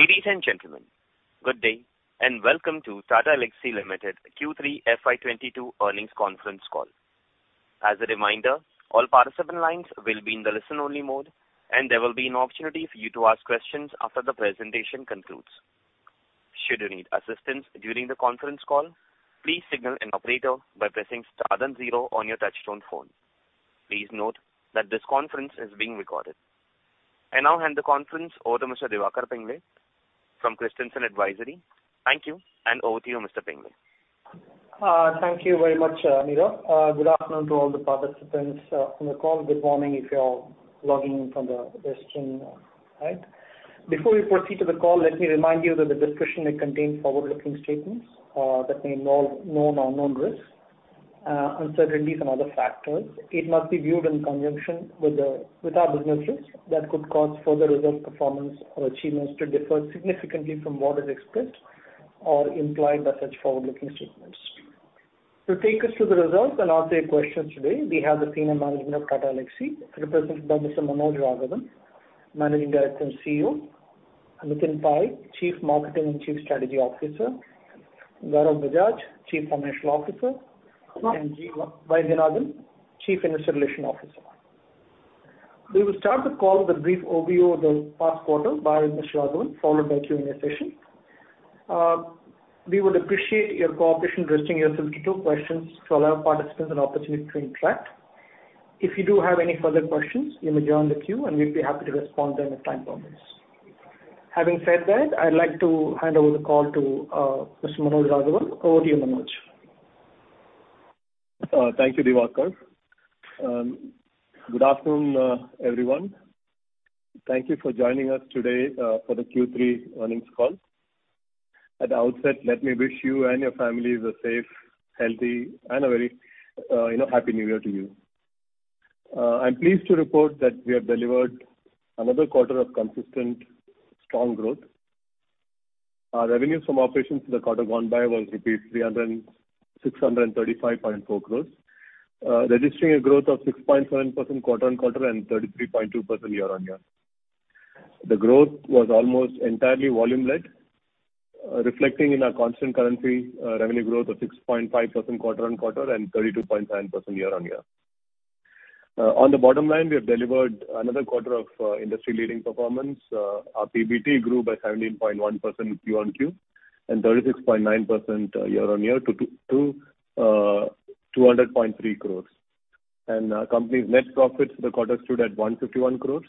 Ladies and gentlemen, good day, and welcome to Tata Elxsi Limited Q3 FY 2022 earnings conference call. As a reminder, all participant lines will be in the listen-only mode, and there will be an opportunity for you to ask questions after the presentation concludes. Should you need assistance during the conference call, please signal an operator by pressing star then zero on your touchtone phone. Please note that this conference is being recorded. I now hand the conference over to Mr. Diwakar Pingle from Christensen Advisory. Thank you, and over to you, Mr. Pingle. Thank you very much, Niro. Good afternoon to all the participants on the call. Good morning if you're logging in from the Western time. Before we proceed to the call, let me remind you that the discussion may contain forward-looking statements that may involve known or unknown risks, uncertainties and other factors. It must be viewed in conjunction with our businesses that could cause actual results, performance or achievements to differ significantly from what is expressed or implied by such forward-looking statements. To take us through the results and answer your questions today, we have the senior management of Tata Elxsi represented by Mr. Manoj Raghavan, Managing Director and CEO, Nitin Pai, Chief Marketing and Chief Strategy Officer, Gaurav Bajaj, Chief Financial Officer, and G. Vaidyanathan, Chief Investor Relations Officer. We will start the call with a brief overview of the past quarter by Mr. Raghavan, followed by Q&A session. We would appreciate your cooperation restricting yourself to two questions to allow participants an opportunity to interact. If you do have any further questions, you may join the queue, and we'd be happy to respond to them if time permits. Having said that, I'd like to hand over the call to Mr. Manoj Raghavan. Over to you, Manoj. Thank you, Diwakar. Good afternoon, everyone. Thank you for joining us today for the Q3 earnings call. At the outset, let me wish you and your families a safe, healthy, and a very, you know, happy New Year to you. I'm pleased to report that we have delivered another quarter of consistent strong growth. Our revenues from operations for the quarter gone by was 635.4 crores, registering a growth of 6.7% quarter-on-quarter and 33.2% year-on-year. The growth was almost entirely volume-led, reflecting in our constant currency revenue growth of 6.5% quarter-on-quarter and 32.7% year-on-year. On the bottom line, we have delivered another quarter of industry-leading performance. Our PBT grew by 17.1% quarter-on-quarter and 36.9% year-on-year to 200.3 crore. Our company's net profits for the quarter stood at 151 crore,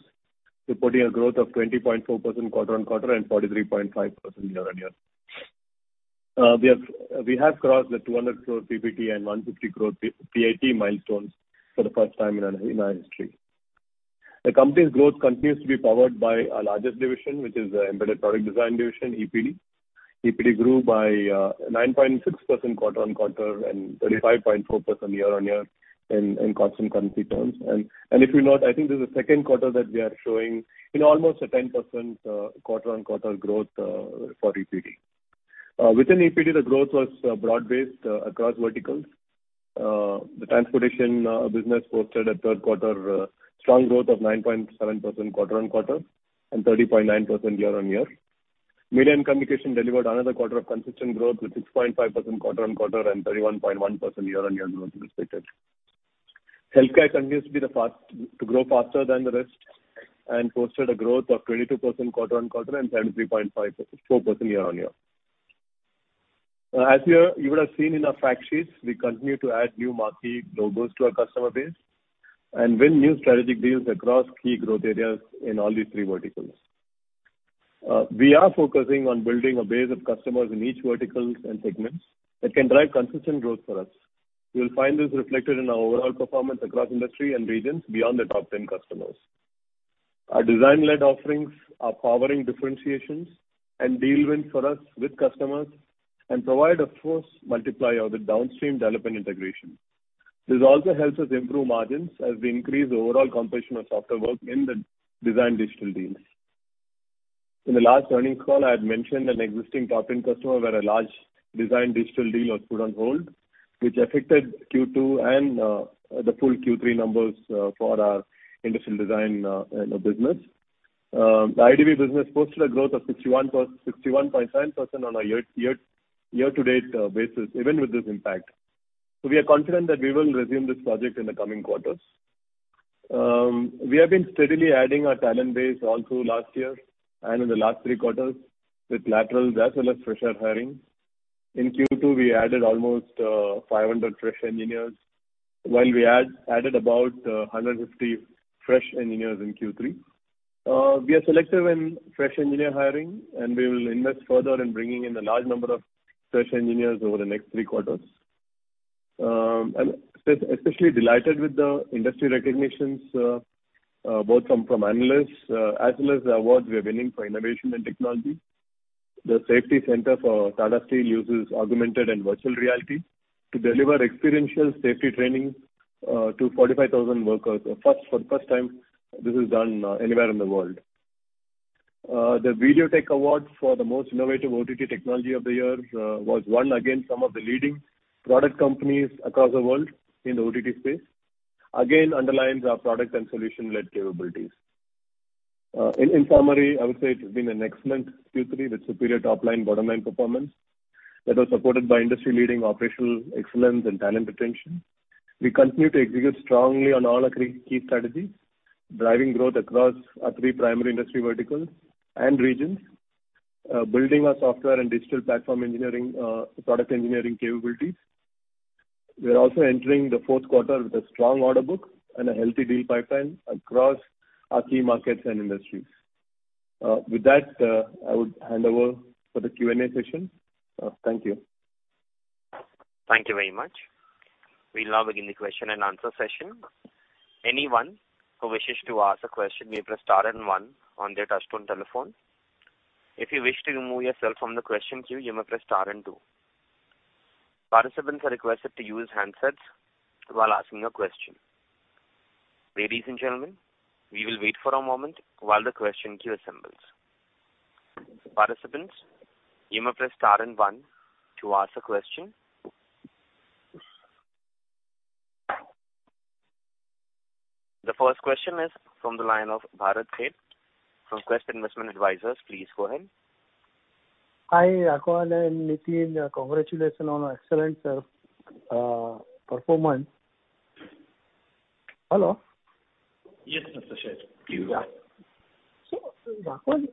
reporting a growth of 20.4% quarter-on-quarter and 43.5% year-on-year. We have crossed the 200 crore PBT and 150 crore PAT milestones for the first time in our history. The company's growth continues to be powered by our largest division, which is the Embedded Product Design division, EPD. EPD grew by 9.6% quarter-on-quarter and 35.4% year-on-year in constant currency terms. If you note, I think this is the second quarter that we are showing almost 10% quarter-on-quarter growth for EPD. Within EPD, the growth was broad-based across verticals. The transportation business posted a third quarter strong growth of 9.7% quarter-on-quarter and 30.9% year-on-year. Media and communication delivered another quarter of consistent growth with 6.5% quarter-on-quarter and 31.1% year-on-year growth, respectively. Healthcare continues to be the fastest to grow faster than the rest, and posted a growth of 22% quarter-on-quarter and 23.4% year-on-year. As you would have seen in our fact sheets, we continue to add new marquee logos to our customer base and win new strategic deals across key growth areas in all these three verticals. We are focusing on building a base of customers in each vertical and segments that can drive consistent growth for us. You will find this reflected in our overall performance across industries and regions beyond the top 10 customers. Our design-led offerings are powering differentiations and deal wins for us with customers and provide a force multiplier with downstream development integration. This also helps us improve margins as we increase the overall composition of software work in the design and digital deals. In the last earnings call, I had mentioned an existing top ten customer where a large design digital deal was put on hold, which affected Q2 and the full Q3 numbers for our industrial design business. The IDV business posted a growth of 61.9% on a year to date basis, even with this impact. We are confident that we will resume this project in the coming quarters. We have been steadily adding our talent base all through last year and in the last three quarters with laterals as well as fresher hiring. In Q2, we added almost 500 fresh engineers, while we added about 150 fresh engineers in Q3. We are selective in fresh engineer hiring, and we will invest further in bringing in a large number of fresh engineers over the next three quarters. Especially delighted with the industry recognitions both from analysts as well as the awards we are winning for innovation and technology. The safety center for Tata Steel uses augmented and virtual reality to deliver experiential safety training to 45,000 workers. For the first time this is done anywhere in the world. The VideoTech Award for the most innovative OTT technology of the year was won against some of the leading product companies across the world in the OTT space. Again, underlines our product and solution-led capabilities. In summary, I would say it has been an excellent Q3 with superior top line bottom line performance that was supported by industry-leading operational excellence and talent retention. We continue to execute strongly on all our three key strategies, driving growth across our three primary industry verticals and regions, building our software and digital platform engineering, product engineering capabilities. We are also entering the fourth quarter with a strong order book and a healthy deal pipeline across our key markets and industries. With that, I would hand over for the Q&A session. Thank you. Thank you very much. We'll now begin the question and answer session. Anyone who wishes to ask a question may press star and one on their touch-tone telephone. If you wish to remove yourself from the question queue, you may press star and two. Participants are requested to use handsets while asking a question. Ladies and gentlemen, we will wait for a moment while the question queue assembles. Participants, you may press star and one to ask a question. The first question is from the line of Bharat Sheth from Quest Investment Advisers. Please go ahead. Hi, Manoj Raghavan and Nitin Pai. Congratulations on an excellent performance. Hello? Yes, Mr. Sheth. You. Yeah. Raghavan,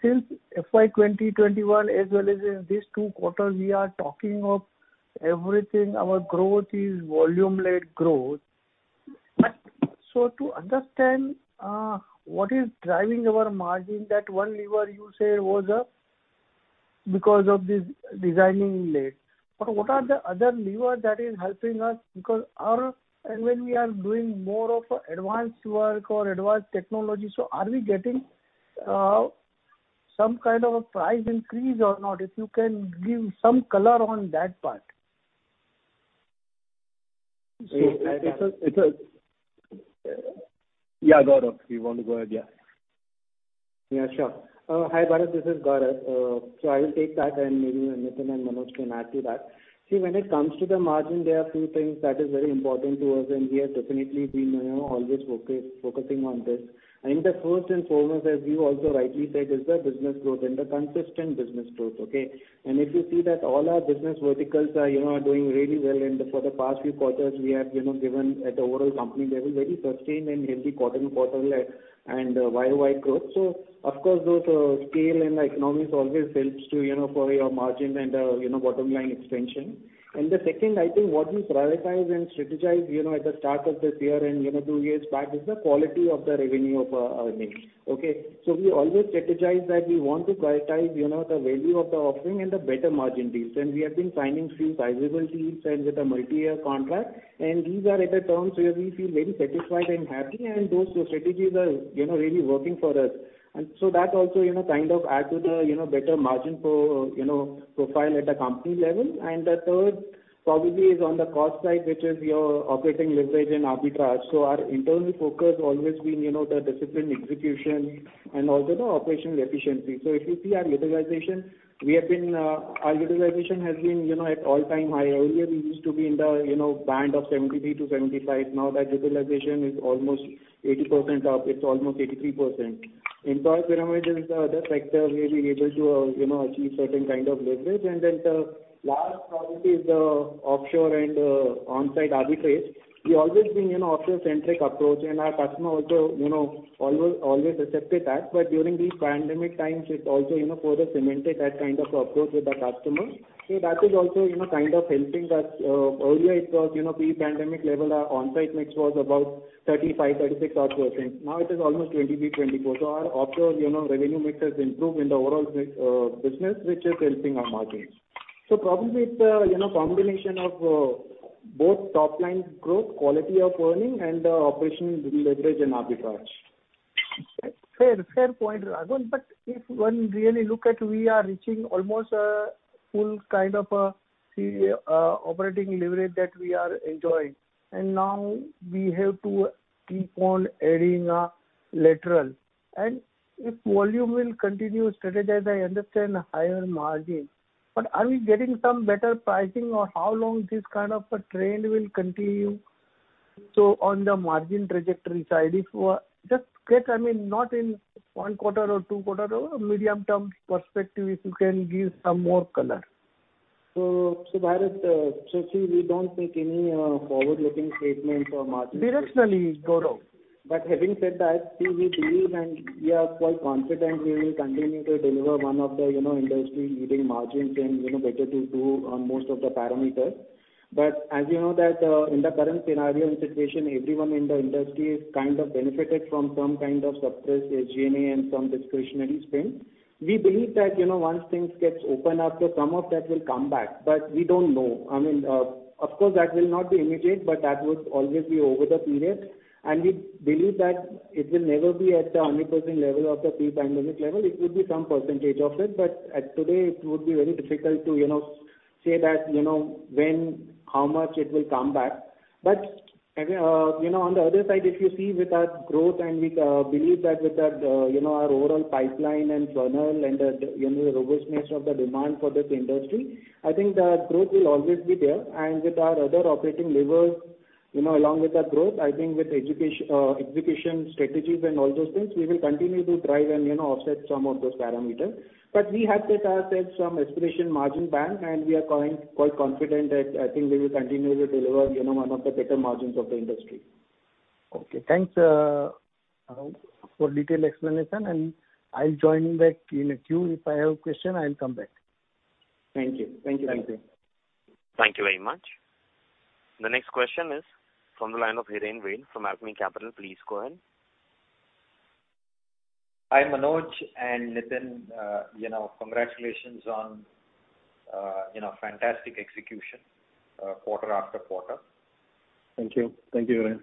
since FY 2021 as well as in these two quarters, we are talking of everything, our growth is volume-led growth. To understand what is driving our margin, that one lever you say was because of this Design Linked Incentive. What are the other levers that is helping us? Because when we are doing more of advanced work or advanced technology, are we getting some kind of a price increase or not? If you can give some color on that part. Yeah, Gaurav, if you want to go ahead, yeah. Yeah, sure. Hi, Bharat. This is Gaurav. So I will take that, and maybe Nitin and Manoj can add to that. See, when it comes to the margin, there are few things that is very important to us, and we have definitely been, you know, always focusing on this. I think the first and foremost, as you also rightly said, is the business growth and the consistent business growth, okay? If you see that all our business verticals are, you know, are doing really well, and for the past few quarters we have, you know, given at the overall company level, very sustained and healthy quarter-on-quarter and year-over-year growth. Of course, those scale and economics always helps to, you know, for your margin and, you know, bottom line expansion. The second, I think what we prioritize and strategize, you know, at the start of this year and, you know, two years back, is the quality of the revenue of earnings. Okay? We always strategize that we want to prioritize, you know, the value of the offering and the better margin deals. We have been signing few sizable deals and with a multi-year contract. These are at the terms where we feel very satisfied and happy, and those strategies are, you know, really working for us. That also, you know, kind of add to the, you know, better margin profile at a company level. The third probably is on the cost side, which is our operating leverage and arbitrage. Our internal focus always been, you know, the disciplined execution and also the operational efficiency. If you see our utilization, it has been, you know, at all-time high. Earlier we used to be in the, you know, band of 73%-75%. Now that utilization is almost 80% up. It's almost 83%. Employee pyramid is the sector we've been able to, you know, achieve certain kind of leverage. Then the last probably is the offshore and onsite arbitrage. We've always been, you know, offshore-centric approach, and our customer also, you know, always accepted that. During these pandemic times, it's also, you know, further cemented that kind of approach with the customer. That is also, you know, kind of helping us. Earlier it was, you know, pre-pandemic level, our onsite mix was about 35%-36% odd. Now it is almost 23-24. Our offshore, you know, revenue mix has improved in the overall business, which is helping our margins. Probably it's, you know, combination of both top line growth, quality of earnings and operational leverage and arbitrage. Fair point, Raghav. If one really look at we are reaching almost full kind of operating leverage that we are enjoying, and now we have to keep on adding lateral. If volume will continue to rise, I understand higher margin, but are we getting some better pricing or how long this kind of a trend will continue? On the margin trajectory side, if just quick, I mean, not in one quarter or two quarter or medium-term perspective, if you can give some more color. Bharat, see we don't make any forward-looking statement for margin- Directionally, Gaurav. Having said that, see, we believe, and we are quite confident we will continue to deliver one of the, you know, industry-leading margins and, you know, better T2 on most of the parameters. As you know that, in the current scenario and situation, everyone in the industry is kind of benefited from some kind of suppressed SG&A and some discretionary spend. We believe that, you know, once things gets open after some of that will come back, but we don't know. I mean, of course that will not be immediate, but that would always be over the period. We believe that it will never be at the 100% level of the pre-pandemic level. It could be some percentage of it, but today it would be very difficult to, you know, say that, you know, when, how much it will come back. You know, on the other side, if you see with our growth and we believe that with our you know, our overall pipeline and funnel and the you know, the robustness of the demand for this industry, I think the growth will always be there. And with our other operating levers You know, along with our growth, I think with execution strategies and all those things, we will continue to drive and, you know, offset some of those parameters. We have set ourselves some aspiration margin band, and we are quite confident that I think we will continuously deliver, you know, one of the better margins of the industry. Okay. Thanks for detailed explanation, and I'll join back in the queue. If I have a question, I'll come back. Thank you. Thank you, Rajeev. Thank you. Thank you very much. The next question is from the line of Hiren Ved from Alchemy Capital Management. Please go ahead. Hi, Manoj and Nitin. You know, congratulations on, you know, fantastic execution, quarter after quarter. Thank you. Thank you,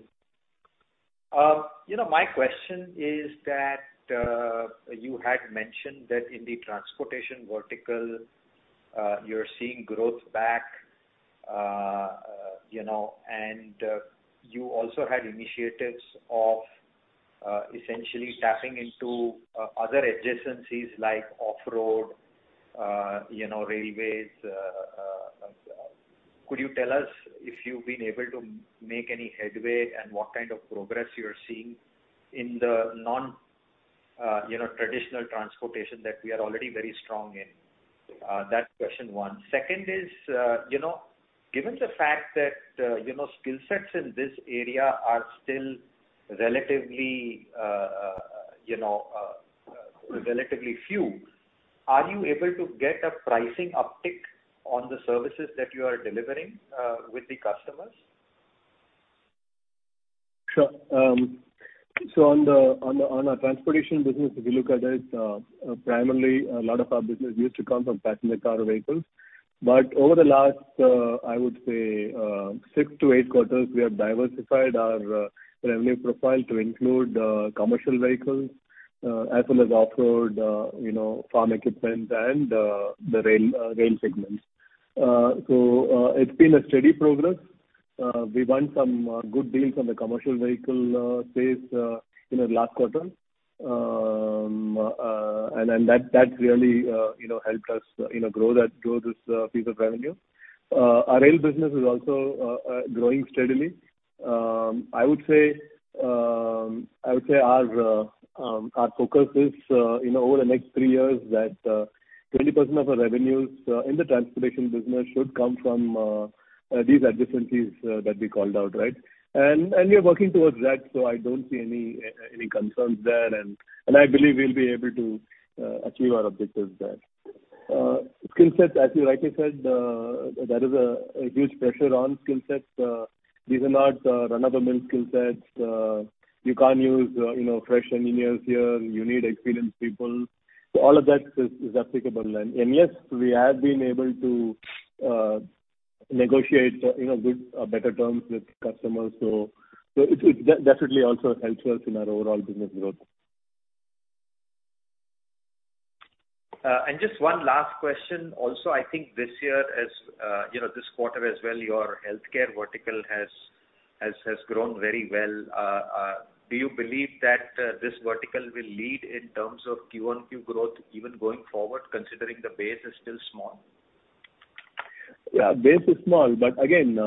Hiren. You know, my question is that you had mentioned that in the transportation vertical you're seeing growth back, you know, and you also had initiatives of essentially tapping into other adjacencies like off-road, you know, railways. Could you tell us if you've been able to make any headway and what kind of progress you're seeing in the non traditional transportation that we are already very strong in? That's question one. Second is, you know, given the fact that you know, skill sets in this area are still relatively few, are you able to get a pricing uptick on the services that you are delivering with the customers? Sure. On our transportation business, if you look at it, primarily a lot of our business used to come from passenger car vehicles. Over the last I would say 6-8 quarters, we have diversified our revenue profile to include commercial vehicles as well as off-road you know farm equipment and the rail segments. It's been a steady progress. We won some good deals on the commercial vehicle space in the last quarter. That really you know helped us you know grow this piece of revenue. Our rail business is also growing steadily. I would say our focus is, you know, over the next three years that 20% of our revenues in the transportation business should come from these adjacencies that we called out, right? We are working towards that, so I don't see any concerns there. I believe we'll be able to achieve our objectives there. Skill set, as you rightly said, there is a huge pressure on skill sets. These are not run-of-the-mill skill sets. You can't use, you know, fresh engineers here. You need experienced people. All of that is applicable. Yes, we have been able to negotiate, you know, good better terms with customers. It definitely also helps us in our overall business growth. Just one last question. Also, I think this year as you know, this quarter as well, your healthcare vertical has grown very well. Do you believe that this vertical will lead in terms of Q-on-Q growth even going forward, considering the base is still small? Yeah. Base is small, but again,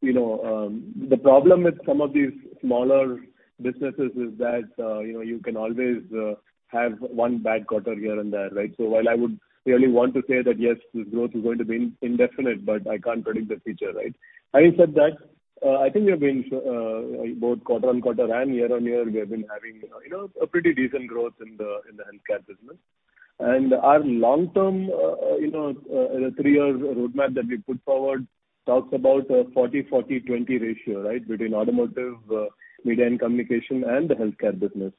you know, the problem with some of these smaller businesses is that, you know, you can always have one bad quarter here and there, right? While I would really want to say that, yes, this growth is going to be indefinite, but I can't predict the future, right? Having said that, I think we have been both quarter-on-quarter and year-on-year, we have been having, you know, a pretty decent growth in the healthcare business. Our long-term, you know, 3-year roadmap that we put forward talks about a 40/40/20 ratio, right, between automotive, media and communication and the healthcare business.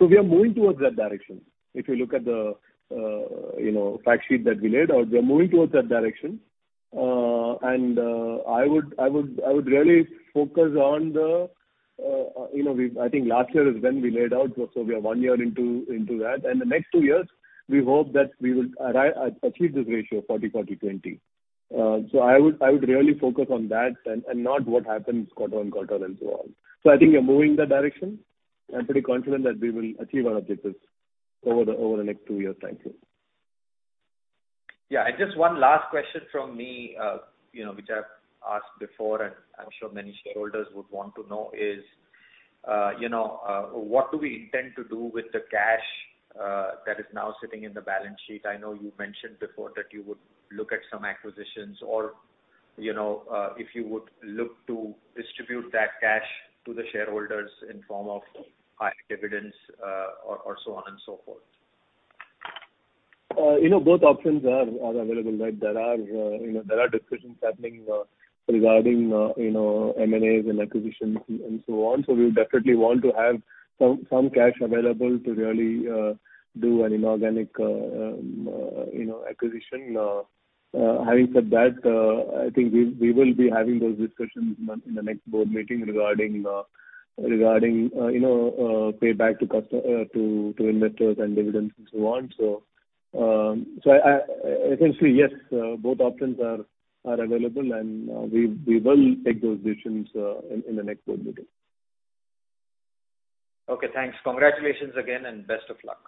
We are moving towards that direction. If you look at the fact sheet that we laid out, we are moving towards that direction. I would really focus on the, you know, we've. I think last year is when we laid out, so we are one year into that. The next two years we hope that we will achieve this ratio of 40/40/20. I would really focus on that and not what happens quarter on quarter and so on. I think we're moving in that direction. I'm pretty confident that we will achieve our objectives over the next two years. Thank you. Yeah. Just one last question from me, you know, which I've asked before, and I'm sure many shareholders would want to know is, you know, what do we intend to do with the cash, that is now sitting in the balance sheet? I know you mentioned before that you would look at some acquisitions or, you know, if you would look to distribute that cash to the shareholders in form of higher dividends, or so on and so forth. You know, both options are available, right? There are discussions happening regarding you know M&As and acquisitions and so on. We would definitely want to have some cash available to really do any organic you know acquisition. Having said that, I think we will be having those discussions in the next board meeting regarding you know payback to investors and dividends and so on. Essentially, yes, both options are available, and we will take those decisions in the next board meeting. Okay, thanks. Congratulations again and best of luck.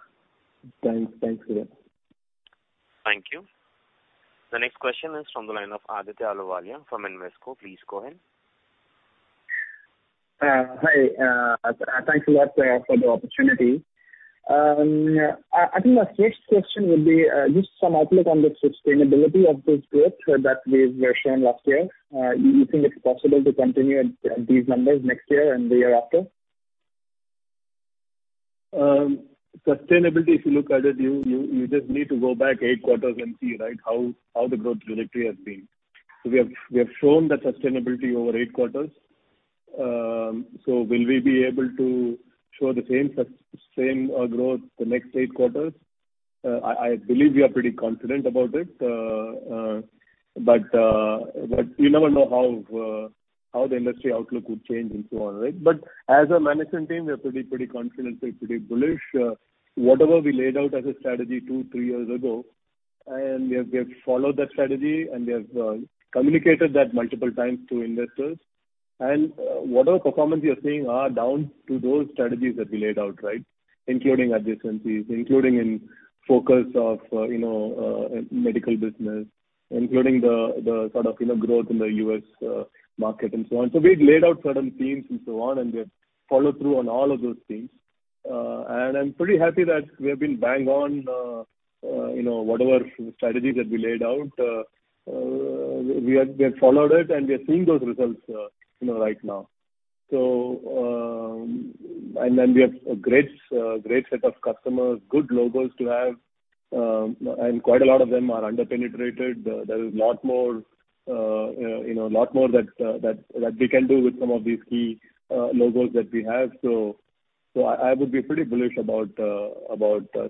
Thanks. Thanks a lot. Thank you. The next question is from the line of Aditya Ahluwalia from Invesco. Please go ahead. Hi. Thanks a lot for the opportunity. I think my first question would be just some outlook on the sustainability of this growth that we were shown last year. Do you think it's possible to continue at these numbers next year and the year after? Sustainability, if you look at it, you just need to go back eight quarters and see, right, how the growth trajectory has been. We have shown that sustainability over eight quarters. Will we be able to show the same growth the next eight quarters? I believe we are pretty confident about it. You never know how the industry outlook would change and so on, right? As a management team, we are pretty confident, pretty bullish. Whatever we laid out as a strategy two, three years ago, and we have followed that strategy and we have communicated that multiple times to investors. Whatever performance you're seeing are down to those strategies that we laid out, right? Including adjacencies, including in focus of, you know, medical business, including the sort of, you know, growth in the U.S. market and so on. We've laid out certain themes and so on, and we have followed through on all of those themes. I'm pretty happy that we have been bang on, you know, whatever strategies that we laid out. We have followed it and we are seeing those results, you know, right now. We have a great set of customers, good logos to have, and quite a lot of them are under-penetrated. There is a lot more, you know, lot more that we can do with some of these key logos that we have. I would be pretty bullish about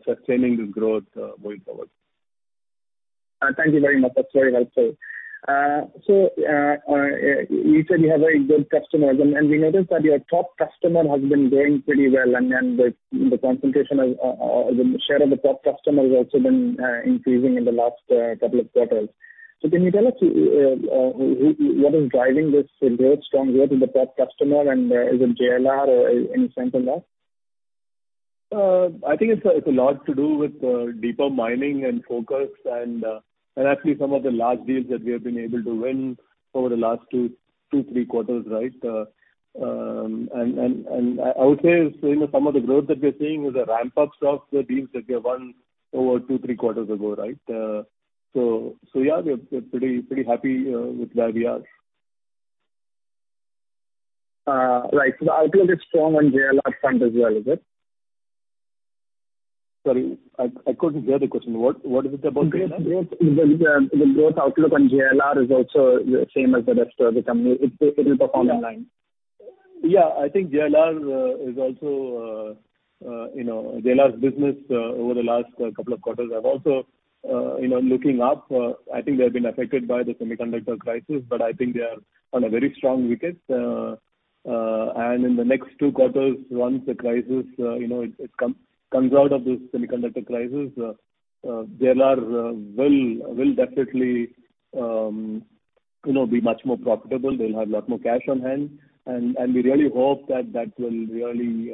sustaining this growth going forward. Thank you very much. That's very helpful. You said you have very good customers and we noticed that your top customer has been doing pretty well and then the concentration of the share of the top customer has also been increasing in the last couple of quarters. Can you tell us what is driving this growth, strong growth in the top customer and is it JLR or any trends in that? I think it's a lot to do with deeper mining and focus and actually some of the large deals that we have been able to win over the last two, three quarters, right? I would say, you know, some of the growth that we're seeing is a ramp-up of the deals that we have won over two, three quarters ago, right? Yeah, we're pretty happy with where we are. Right. The outlook is strong on JLR front as well, is it? Sorry, I couldn't hear the question. What is it about JLR? The growth outlook on JLR is also the same as the rest of the company. It will perform in line. Yeah. I think JLR is also, you know, JLR's business over the last couple of quarters have also, you know, looking up. I think they have been affected by the semiconductor crisis, but I think they are on a very strong wicket. In the next two quarters, once the crisis, you know, it comes out of this semiconductor crisis, JLR will definitely, you know, be much more profitable. They'll have a lot more cash on hand. We really hope that that will really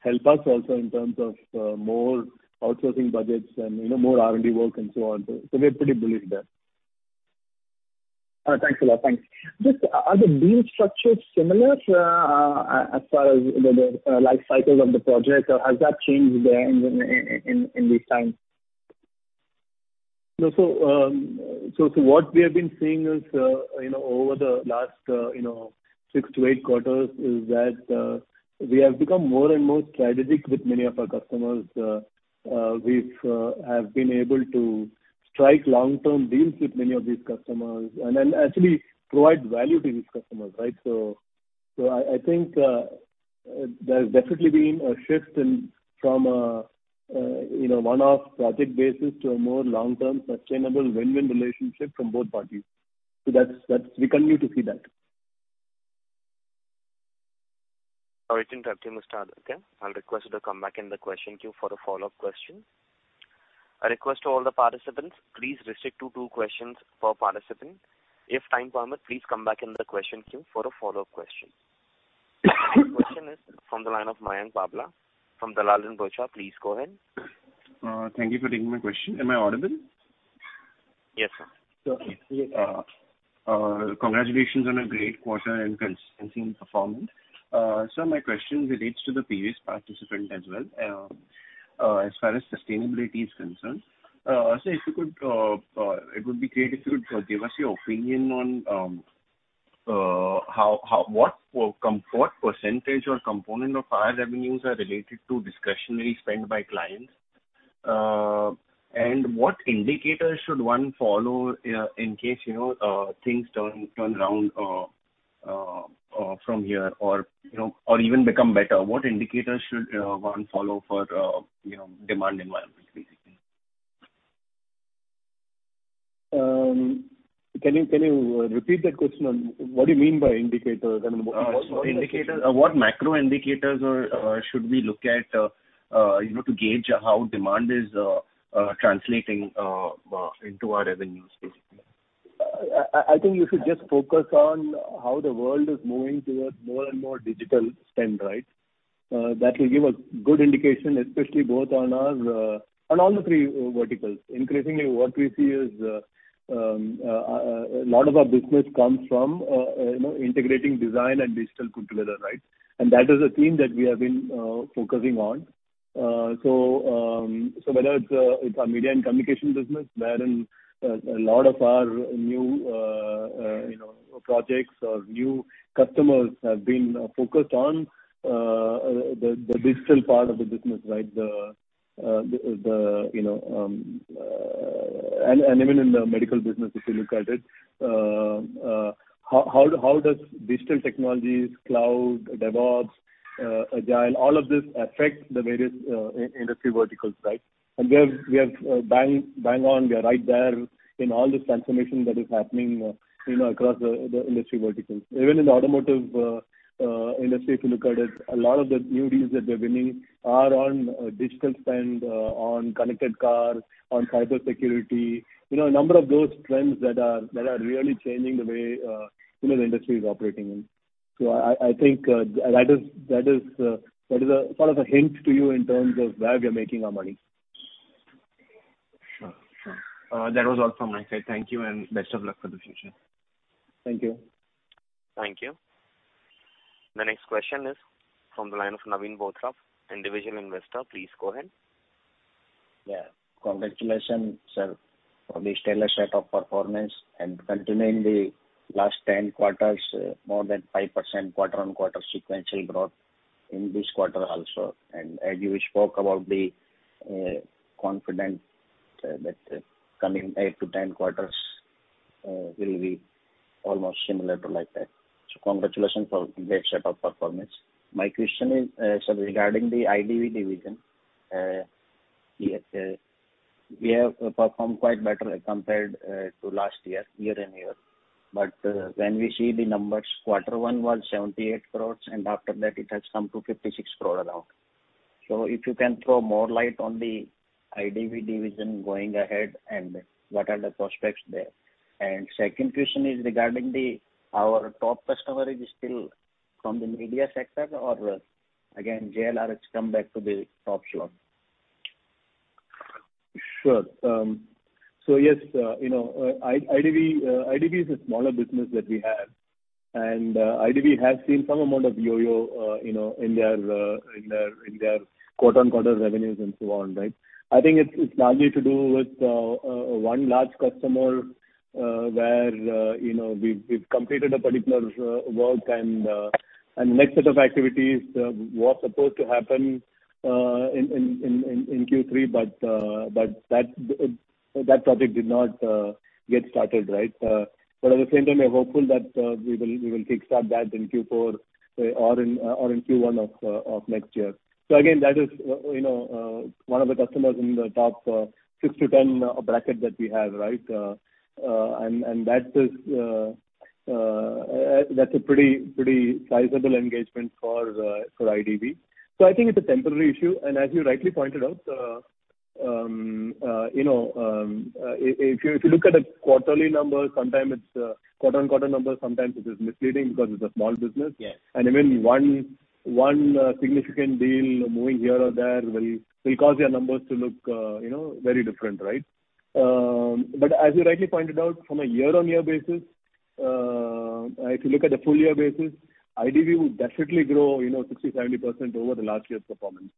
help us also in terms of more outsourcing budgets and, you know, more R&D work and so on. We're pretty bullish there. Thanks a lot. Thanks. Just, are the deal structures similar, as far as, you know, the life cycles of the project, or has that changed, in this time? No, what we have been seeing is, you know, over the last, you know, 6-8 quarters is that we have become more and more strategic with many of our customers. We have been able to strike long-term deals with many of these customers and actually provide value to these customers, right? I think there's definitely been a shift from a, you know, one-off project basis to a more long-term sustainable win-win relationship from both parties. That's. We continue to see that. All right. Thank you, Mustafa. Okay. I'll request you to come back in the question queue for a follow-up question. A request to all the participants, please restrict to two questions per participant. If time permit, please come back in the question queue for a follow-up question. Next question is from the line of Mayank Babla from Dalal & Broacha. Please go ahead. Thank you for taking my question. Am I audible? Yes, sir. Congratulations on a great quarter and consistency in performance. My question relates to the previous participant as well. As far as sustainability is concerned, if you could, it would be great if you could give us your opinion on what percentage or component of our revenues are related to discretionary spend by clients. And what indicators should one follow, in case, you know, things turn around from here or, you know, or even become better? What indicators should one follow for, you know, demand environment basically? Can you repeat that question on what do you mean by indicators? I mean what indicators? What macro indicators should we look at, you know, to gauge how demand is translating into our revenues basically? I think you should just focus on how the world is moving towards more and more digital spend, right? That will give a good indication, especially on all the three verticals. Increasingly, what we see is a lot of our business comes from you know integrating design and digital put together, right? That is a theme that we have been focusing on. Whether it's our media and communication business, wherein a lot of our new you know projects or new customers have been focused on the digital part of the business, right? Even in the medical business, if you look at it, how does digital technologies, cloud, DevOps, Agile, all of this affect the various industry verticals, right? We have bang on, we are right there in all this transformation that is happening, you know, across the industry verticals. Even in the automotive industry, if you look at it, a lot of the new deals that we're winning are on digital spend, on connected cars, on cybersecurity. You know, a number of those trends that are really changing the way, you know, the industry is operating in. I think that is a sort of a hint to you in terms of where we are making our money. Sure. That was all from my side. Thank you and best of luck for the future. Thank you. Thank you. The next question is from the line of Naveen Bothra, individual investor. Please go ahead. Yeah. Congratulations, sir, for the stellar set of performance and continuing the last 10 quarters, more than 5% quarter-on-quarter sequential growth in this quarter also. As you spoke about the confidence that coming 8-10 quarters will be almost similar to like that. Congratulations for great set of performance. My question is, regarding the IDV division, we have performed quite better compared to last year-on-year. When we see the numbers, quarter one was 78 crore, and after that it has come to 56 crore around. If you can throw more light on the IDV division going ahead, and what are the prospects there. Second question is regarding our top customer is still from the media sector or, again, JLR has come back to the top slot. Sure, so yes, you know, IDV is a smaller business that we have. IDV has seen some amount of yo-yo, you know, in their quarter-on-quarter revenues and so on, right? I think it's largely to do with one large customer, where you know we've completed a particular work and next set of activities was supposed to happen in Q3. That project did not get started, right? At the same time, we are hopeful that we will kickstart that in Q4 or in Q1 of next year. Again, that is, you know, one of the customers in the top 6-10 bracket that we have, right? And that is, that's a pretty sizable engagement for IDV. I think it's a temporary issue. As you rightly pointed out, you know, if you look at the quarterly numbers, sometimes it's quarter-on-quarter numbers, sometimes it is misleading because it's a small business. Yeah. Even one significant deal moving here or there will cause your numbers to look, you know, very different, right? As you rightly pointed out, from a year-on-year basis, if you look at the full year basis, IDV would definitely grow, you know, 60%-70% over the last year's performance.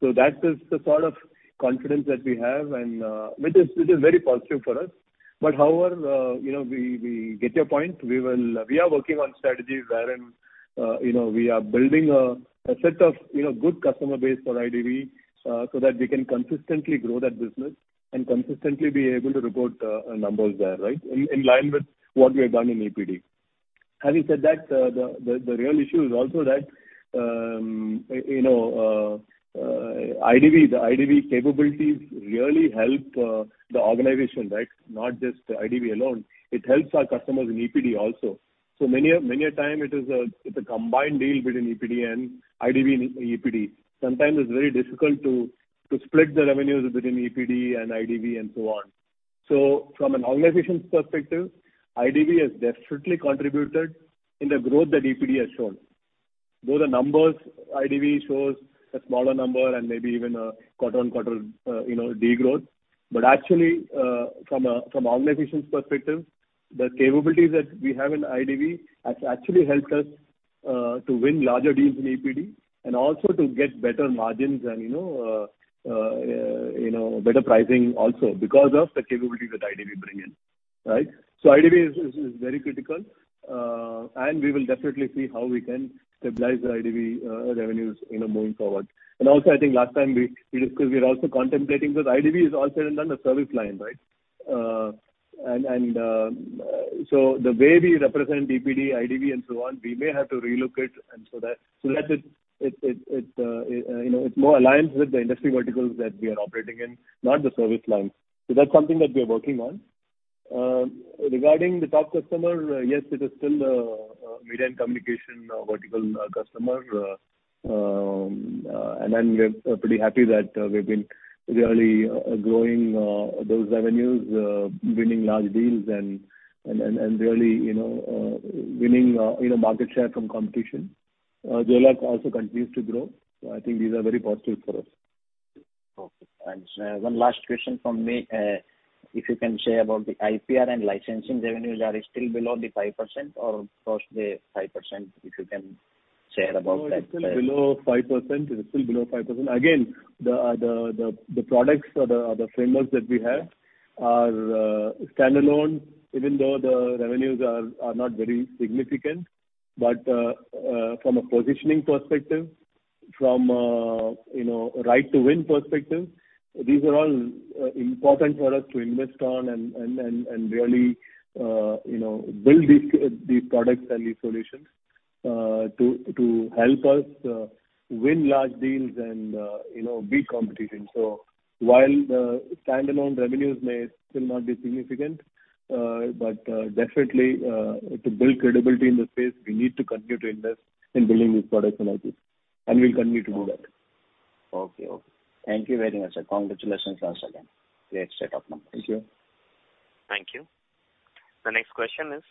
That is the sort of confidence that we have and, which is very positive for us. However, you know, we get your point. We are working on strategies wherein, you know, we are building a set of, you know, good customer base for IDV, so that we can consistently grow that business and consistently be able to report, numbers there, right? In line with what we have done in EPD. Having said that, the real issue is also that, you know, IDV, the IDV capabilities really help the organization, right? Not just IDV alone. It helps our customers in EPD also. So many a time it's a combined deal between EPD and IDV and EPD. Sometimes it's very difficult to split the revenues between EPD and IDV and so on. So from an organization's perspective, IDV has definitely contributed in the growth that EPD has shown. Though the numbers IDV shows a smaller number and maybe even a quarter on quarter, you know, degrowth. Actually, from an organization's perspective, the capabilities that we have in IDV has actually helped us to win larger deals in EPD and also to get better margins and, you know, better pricing also because of the capabilities that IDV bring in, right? IDV is very critical. We will definitely see how we can stabilize the IDV revenues, you know, moving forward. I think last time we discussed we are also contemplating because IDV is also in under service line, right? The way we represent EPD, IDV and so on, we may have to relocate and so that it, you know, it more aligns with the industry verticals that we are operating in, not the service lines. That's something that we are working on. Regarding the top customer, yes, it is still media and communications vertical customer, and then we're pretty happy that we've been really growing those revenues, winning large deals and really, you know, winning, you know, market share from competition. JLR also continues to grow. I think these are very positive for us. Okay. One last question from me. If you can share about the IPR and licensing revenues, are they still below the 5% or crossed the 5%, if you can share about that? No, it's still below 5%. It's still below 5%. Again, the products or the frameworks that we have are standalone even though the revenues are not very significant. From a positioning perspective, from you know, right to win perspective, these are all important for us to invest on and really you know, build these products and these solutions to help us win large deals and you know, beat competition. While the standalone revenues may still not be significant, but definitely, to build credibility in the space, we need to continue to invest in building these products and IP, and we'll continue to do that. Okay. Thank you very much, sir. Congratulations once again. Great set of numbers. Thank you. Thank you. The next question is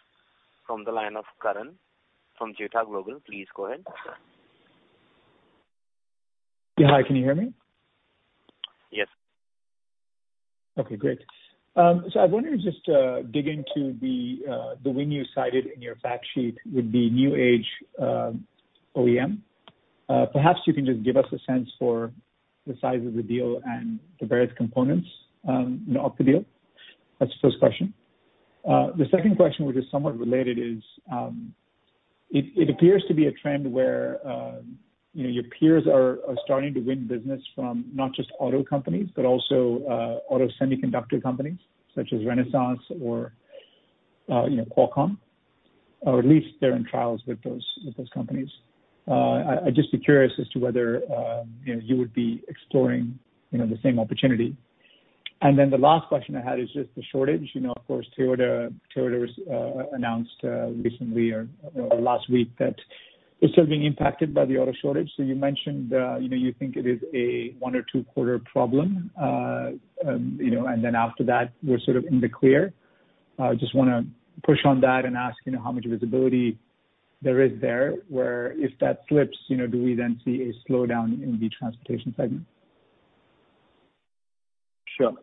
from the line of Karan from Gita Global. Please go ahead. Yeah. Hi, can you hear me? Yes. Okay, great. So I wanted to just dig into the win you cited in your fact sheet with the New Age OEM. Perhaps you can just give us a sense for the size of the deal and the various components, you know, of the deal. That's the first question. The second question, which is somewhat related, is it appears to be a trend where, you know, your peers are starting to win business from not just auto companies, but also auto semiconductor companies such as Renesas or, you know, Qualcomm, or at least they're in trials with those companies. I'd just be curious as to whether, you know, you would be exploring the same opportunity. Then the last question I had is just the shortage. You know, of course, Toyota announced recently or, you know, last week that it's still being impacted by the auto shortage. You mentioned, you know, you think it is a 1- or 2-quarter problem, you know, and then after that we're sort of in the clear. Just wanna push on that and ask, you know, how much visibility there is there, where if that slips, you know, do we then see a slowdown in the transportation segment? Sure.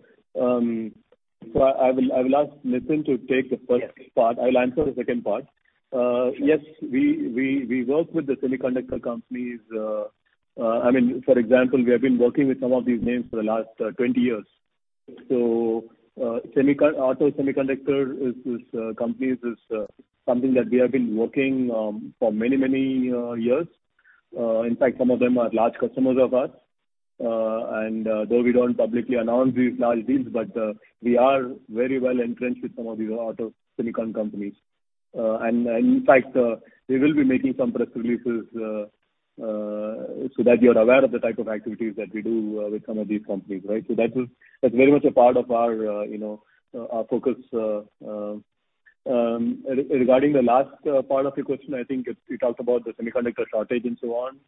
I will ask Nitin to take the first part. I will answer the second part. Yes, we work with the semiconductor companies. I mean, for example, we have been working with some of these names for the last 20 years. Auto semiconductor companies is something that we have been working for many years. In fact, some of them are large customers of ours. Though we don't publicly announce these large deals, but we are very well entrenched with some of these auto silicon companies. In fact, we will be making some press releases so that you're aware of the type of activities that we do with some of these companies, right? That is. That's very much a part of our you know our focus. Regarding the last part of your question, I think it's. You talked about the semiconductor shortage and so on.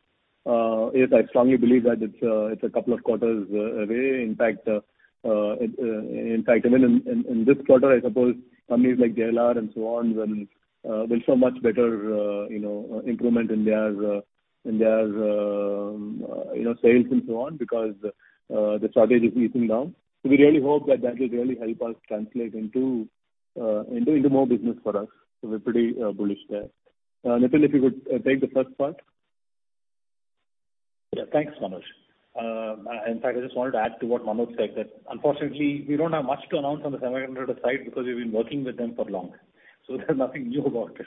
Yes, I strongly believe that it's a couple of quarters away. In fact, I mean, in this quarter, I suppose companies like JLR and so on will show much better you know improvement in their you know sales and so on because the shortage is easing down. We really hope that that will really help us translate into more business for us. We're pretty bullish there. Nitin, if you would take the first part. Yeah. Thanks, Manoj. In fact, I just wanted to add to what Manoj said, that unfortunately we don't have much to announce on the semiconductor side because we've been working with them for long. There's nothing new about it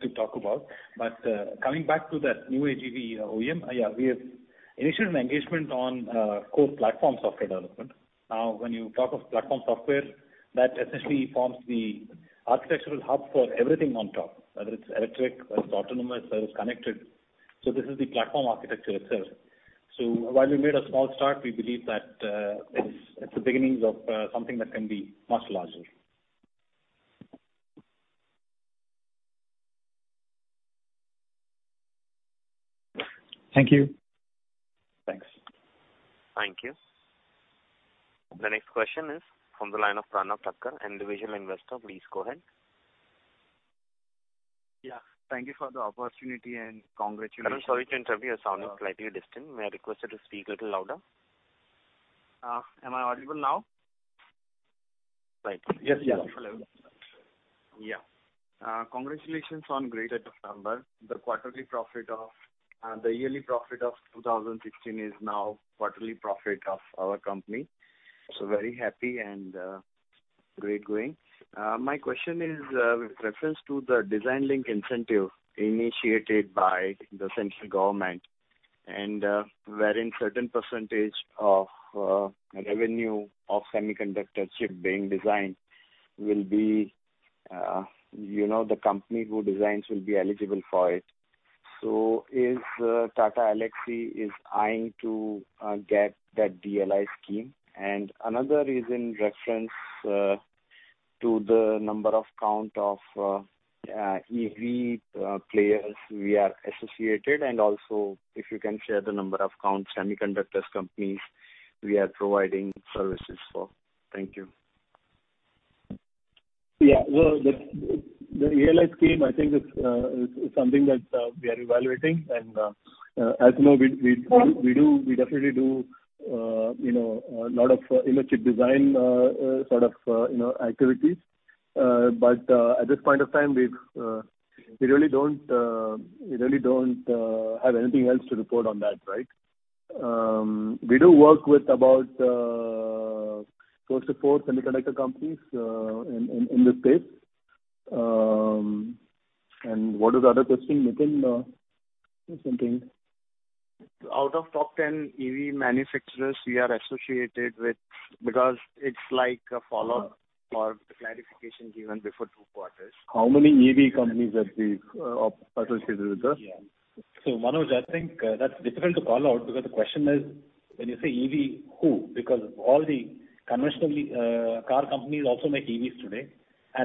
to talk about. Coming back to that New Age EV OEM, yeah, we have initiated an engagement on core platform software development. When you talk of platform software, that essentially forms the architectural hub for everything on top, whether it's electric, whether it's autonomous, whether it's connected. This is the platform architecture itself. While we made a small start, we believe that it's the beginnings of something that can be much larger. Thank you. Thanks. Thank you. The next question is from the line of Pranav Thakkar, individual investor. Please go ahead. Yeah. Thank you for the opportunity, and congratulations. I'm sorry to interrupt you. Your sound is slightly distant. May I request you to speak a little louder? Am I audible now? Right. Yes. Yeah. Hello. Congratulations on great set of numbers. The quarterly profit of the yearly profit of 2016 is now quarterly profit of our company. Very happy and great going. My question is with reference to the Design Linked Incentive initiated by the central government and wherein certain percentage of revenue of semiconductor chip being designed will be you know the company who designs will be eligible for it. Is Tata Elxsi eyeing to get that DLI scheme? And another is in reference to the number of count of EV players we are associated and also if you can share the number of count semiconductor companies we are providing services for. Thank you. Yeah. Well, the DLI scheme I think is something that we are evaluating and as you know, we definitely do you know a lot of you know chip design sort of you know activities. But at this point of time, we really don't have anything else to report on that, right? We do work with about close to four semiconductor companies in this space. What was the other question, Nitin? Nitin? Out of top 10 EV manufacturers we are associated with, because it's like a follow or the clarification given before two quarters. How many EV companies that we've associated with us? Yeah. Manoj, I think that's difficult to call out because the question is when you say EV, who? Because all the conventional car companies also make EVs today.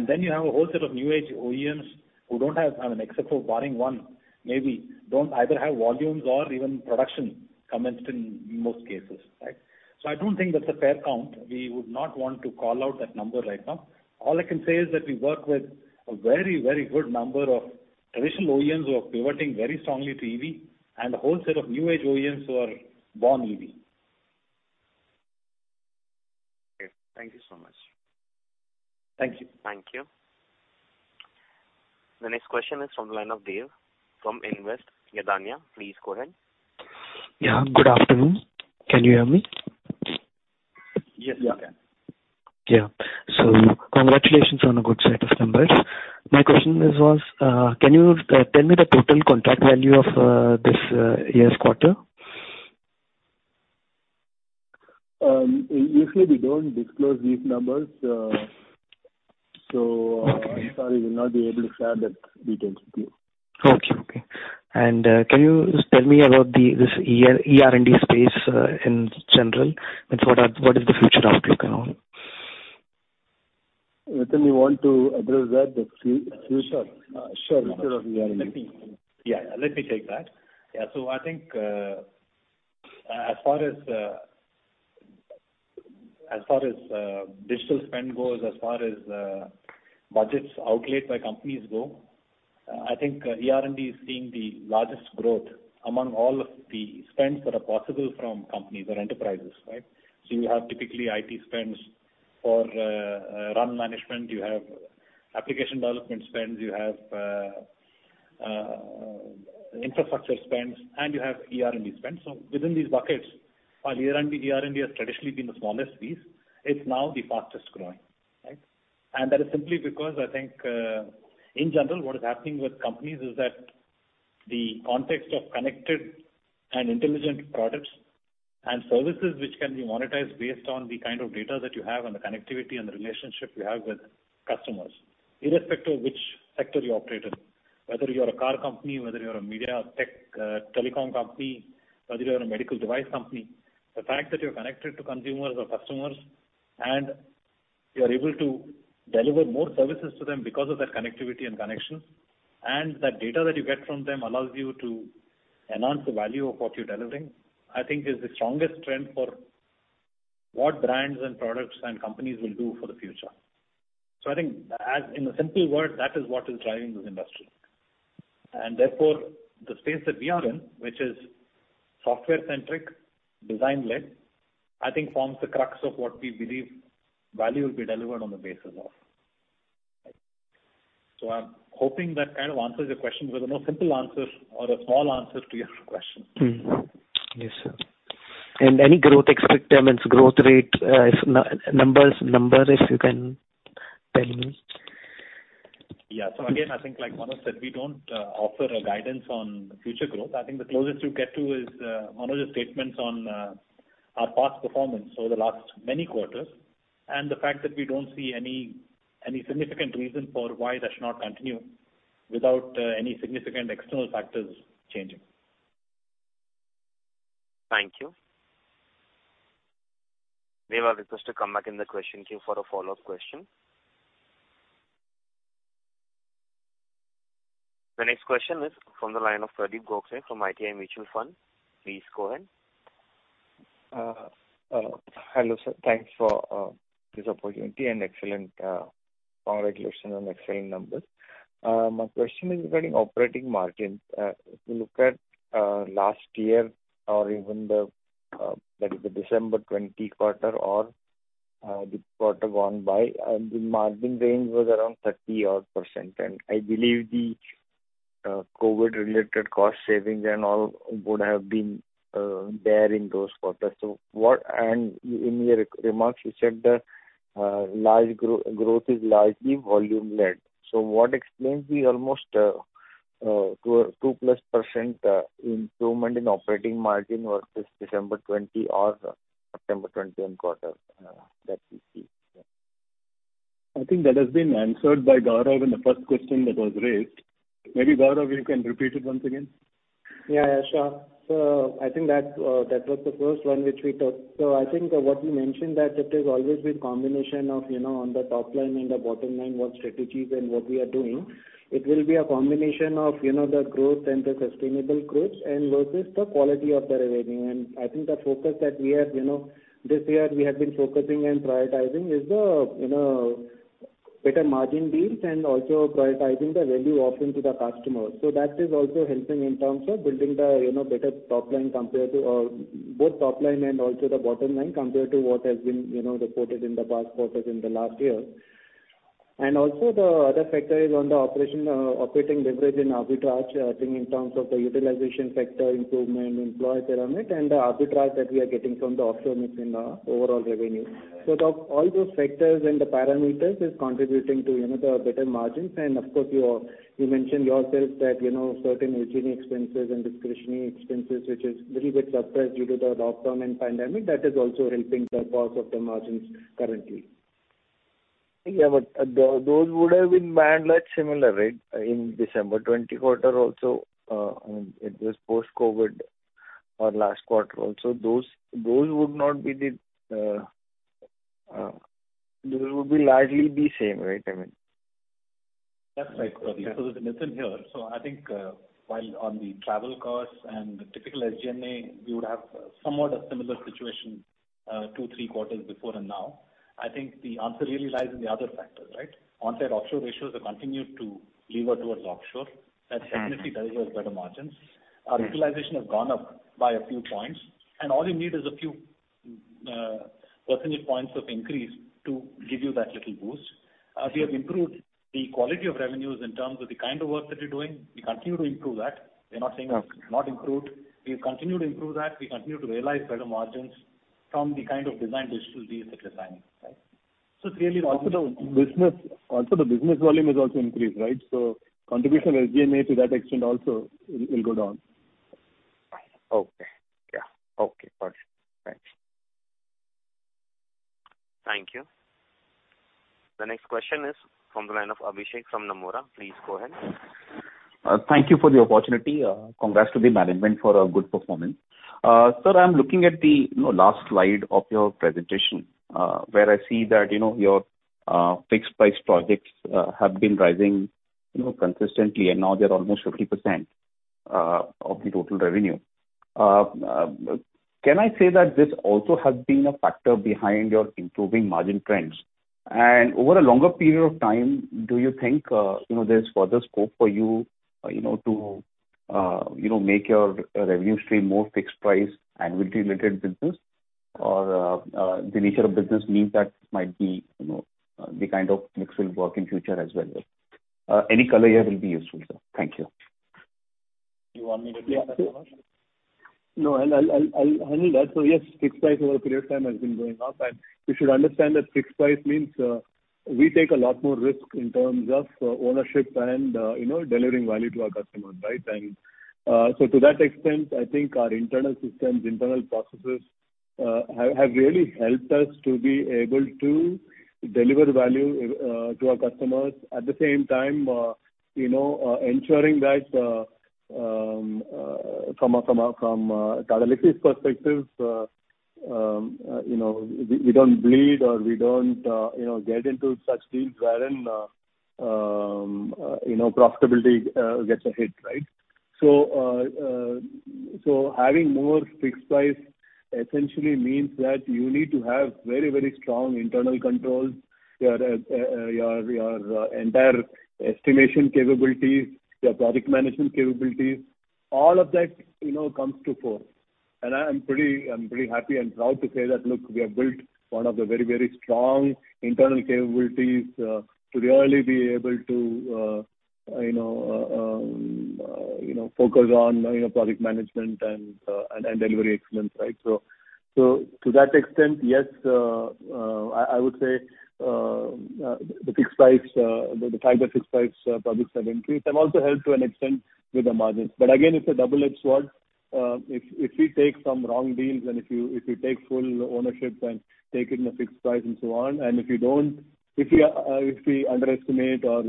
Then you have a whole set of new age OEMs who don't have, I mean, except for barring one maybe, don't either have volumes or even production commenced in most cases, right? I don't think that's a fair count. We would not want to call out that number right now. All I can say is that we work with a very, very good number of traditional OEMs who are pivoting very strongly to EV and a whole set of new age OEMs who are born EV. Okay. Thank you so much. Thank you. Thank you. The next question is from the line of Dev from InvestYadnya. Please go ahead. Yeah, good afternoon. Can you hear me? Yes. Yeah. Yeah. Congratulations on a good set of numbers. My question is, can you tell me the total contract value of this year's quarter? Usually we don't disclose these numbers. Okay. I'm sorry, we'll not be able to share that detail with you. Okay. Can you just tell me about this ER&D space in general? What is the future outlook around? Nitin, you want to address that? The future Sure. future of ER&D. Let me take that. I think, as far as digital spend goes, as far as budgets outlaid by companies go, I think ER&D is seeing the largest growth among all of the spends that are possible from companies or enterprises, right? You have typically IT spends for run management. You have application development spends. You have infrastructure spends, and you have ER&D spends. Within these buckets, while ER&D has traditionally been the smallest piece, it's now the fastest growing, right? That is simply because I think, in general, what is happening with companies is that the context of connected and intelligent products and services which can be monetized based on the kind of data that you have and the connectivity and the relationship you have with customers, irrespective of which sector you operate in, whether you're a car company, whether you're a media tech, telecom company, whether you're a medical device company. The fact that you're connected to consumers or customers, and you're able to deliver more services to them because of that connectivity and connection, and that data that you get from them allows you to enhance the value of what you're delivering, I think is the strongest trend for what brands and products and companies will do for the future. I think as in a simple word, that is what is driving this industry. Therefore, the space that we are in, which is software centric, design led, I think forms the crux of what we believe value will be delivered on the basis of. I'm hoping that kind of answers your question with a more simple answer or a small answer to your question. Yes, sir. Any growth, I mean growth rate, if numbers, if you can tell me. Yeah. Again, I think like Manoj said, we don't offer a guidance on future growth. I think the closest you get to is Manoj's statements on our past performance over the last many quarters, and the fact that we don't see any significant reason for why that should not continue without any significant external factors changing. Thank you. Dev, I'll request you come back in the question queue for a follow-up question. The next question is from the line of Pradeep Gokhale from ITI Mutual Fund. Please go ahead. Hello sir. Thanks for this opportunity and excellent congratulations on excellent numbers. My question is regarding operating margins. If you look at last year or even the like the December 2020 quarter or the quarter gone by, the margin range was around 30-odd%. I believe the COVID related cost savings and all would have been there in those quarters. In your remarks, you said that large growth is largely volume led. What explains the almost 2-plus% improvement in operating margin versus December 2020 or September 2021 quarter that we see? I think that has been answered by Gaurav in the first question that was raised. Maybe, Gaurav, you can repeat it once again. Yeah, yeah, sure. I think that was the first one which we took. I think what we mentioned that it has always been combination of, you know, on the top line and the bottom line, what strategies and what we are doing. It will be a combination of, you know, the growth and the sustainable growth and versus the quality of the revenue. I think the focus that we have, you know, this year we have been focusing and prioritizing is the, you know, better margin deals and also prioritizing the value offering to the customers. That is also helping in terms of building the, you know, better top line compared to, both top line and also the bottom line compared to what has been, you know, reported in the past quarters in the last year. The other factor is on the operating leverage in arbitrage, I think in terms of the utilization factor improvement in client parameter and the arbitrage that we are getting from the offshore mix in the overall revenue. All those factors and the parameters is contributing to, you know, the better margins. Of course, you mentioned yourself that, you know, certain engineering expenses and discretionary expenses, which is little bit suppressed due to the lockdown and pandemic, that is also helping the cause of the margins currently. Yeah, those would have been managed similar, right, in December 2020 quarter also. I mean it was post-COVID or last quarter also. Those would be largely the same, right? I mean. That's right. There's a lesson here. I think, while on the travel costs and the typical SG&A, we would have somewhat a similar situation, 2, 3 quarters before and now. I think the answer really lies in the other factors, right? Onsite-offshore ratios have continued to leverage towards offshore. Mm-hmm. That definitely delivers better margins. Mm-hmm. Our utilization has gone up by a few points, and all you need is a few percentage points of increase to give you that little boost. We have improved the quality of revenues in terms of the kind of work that we're doing. We continue to improve that. We're not saying. Yeah. It's not improved. We continue to improve that. We continue to realize better margins from the kind of design deals that we're signing, right? It's really- Also, the business volume has also increased, right? Contribution of SG&A to that extent also will go down. Right. Okay. Yeah. Okay, perfect. Thanks. Thank you. The next question is from the line of Abhishek from Nomura. Please go ahead. Thank you for the opportunity. Congrats to the management for a good performance. Sir, I'm looking at the, you know, last slide of your presentation, where I see that, you know, your fixed price projects have been rising, you know, consistently, and now they're almost 50% of the total revenue. Can I say that this also has been a factor behind your improving margin trends? Over a longer period of time, do you think, you know, there's further scope for you know, to, you know, make your revenue stream more fixed price annual related business? Or the nature of business means that might be, you know, the kind of mix will work in future as well. Any color here will be useful, sir. Thank you. You want me to take that, Manoj? No, I'll handle that. Yes, fixed price over a period of time has been going up, and you should understand that fixed price means we take a lot more risk in terms of ownership and you know, delivering value to our customers, right? To that extent, I think our internal systems, internal processes have really helped us to be able to deliver value to our customers. At the same time, you know, ensuring that from a Cadillac's perspective you know, we don't bleed or we don't you know, get into such deals wherein you know, profitability gets a hit, right? Having more fixed price essentially means that you need to have very, very strong internal controls. Your entire estimation capabilities, your project management capabilities, all of that, you know, comes to fore. I'm pretty happy and proud to say that, look, we have built one of the very, very strong internal capabilities to really be able to, you know, focus on, you know, project management and delivery excellence, right? To that extent, yes, I would say the fixed price, the type of fixed price projects have increased, have also helped to an extent with the margins. But again, it's a double-edged sword. If we take some wrong deals and if you take full ownership and take it in a fixed price and so on, and if we underestimate or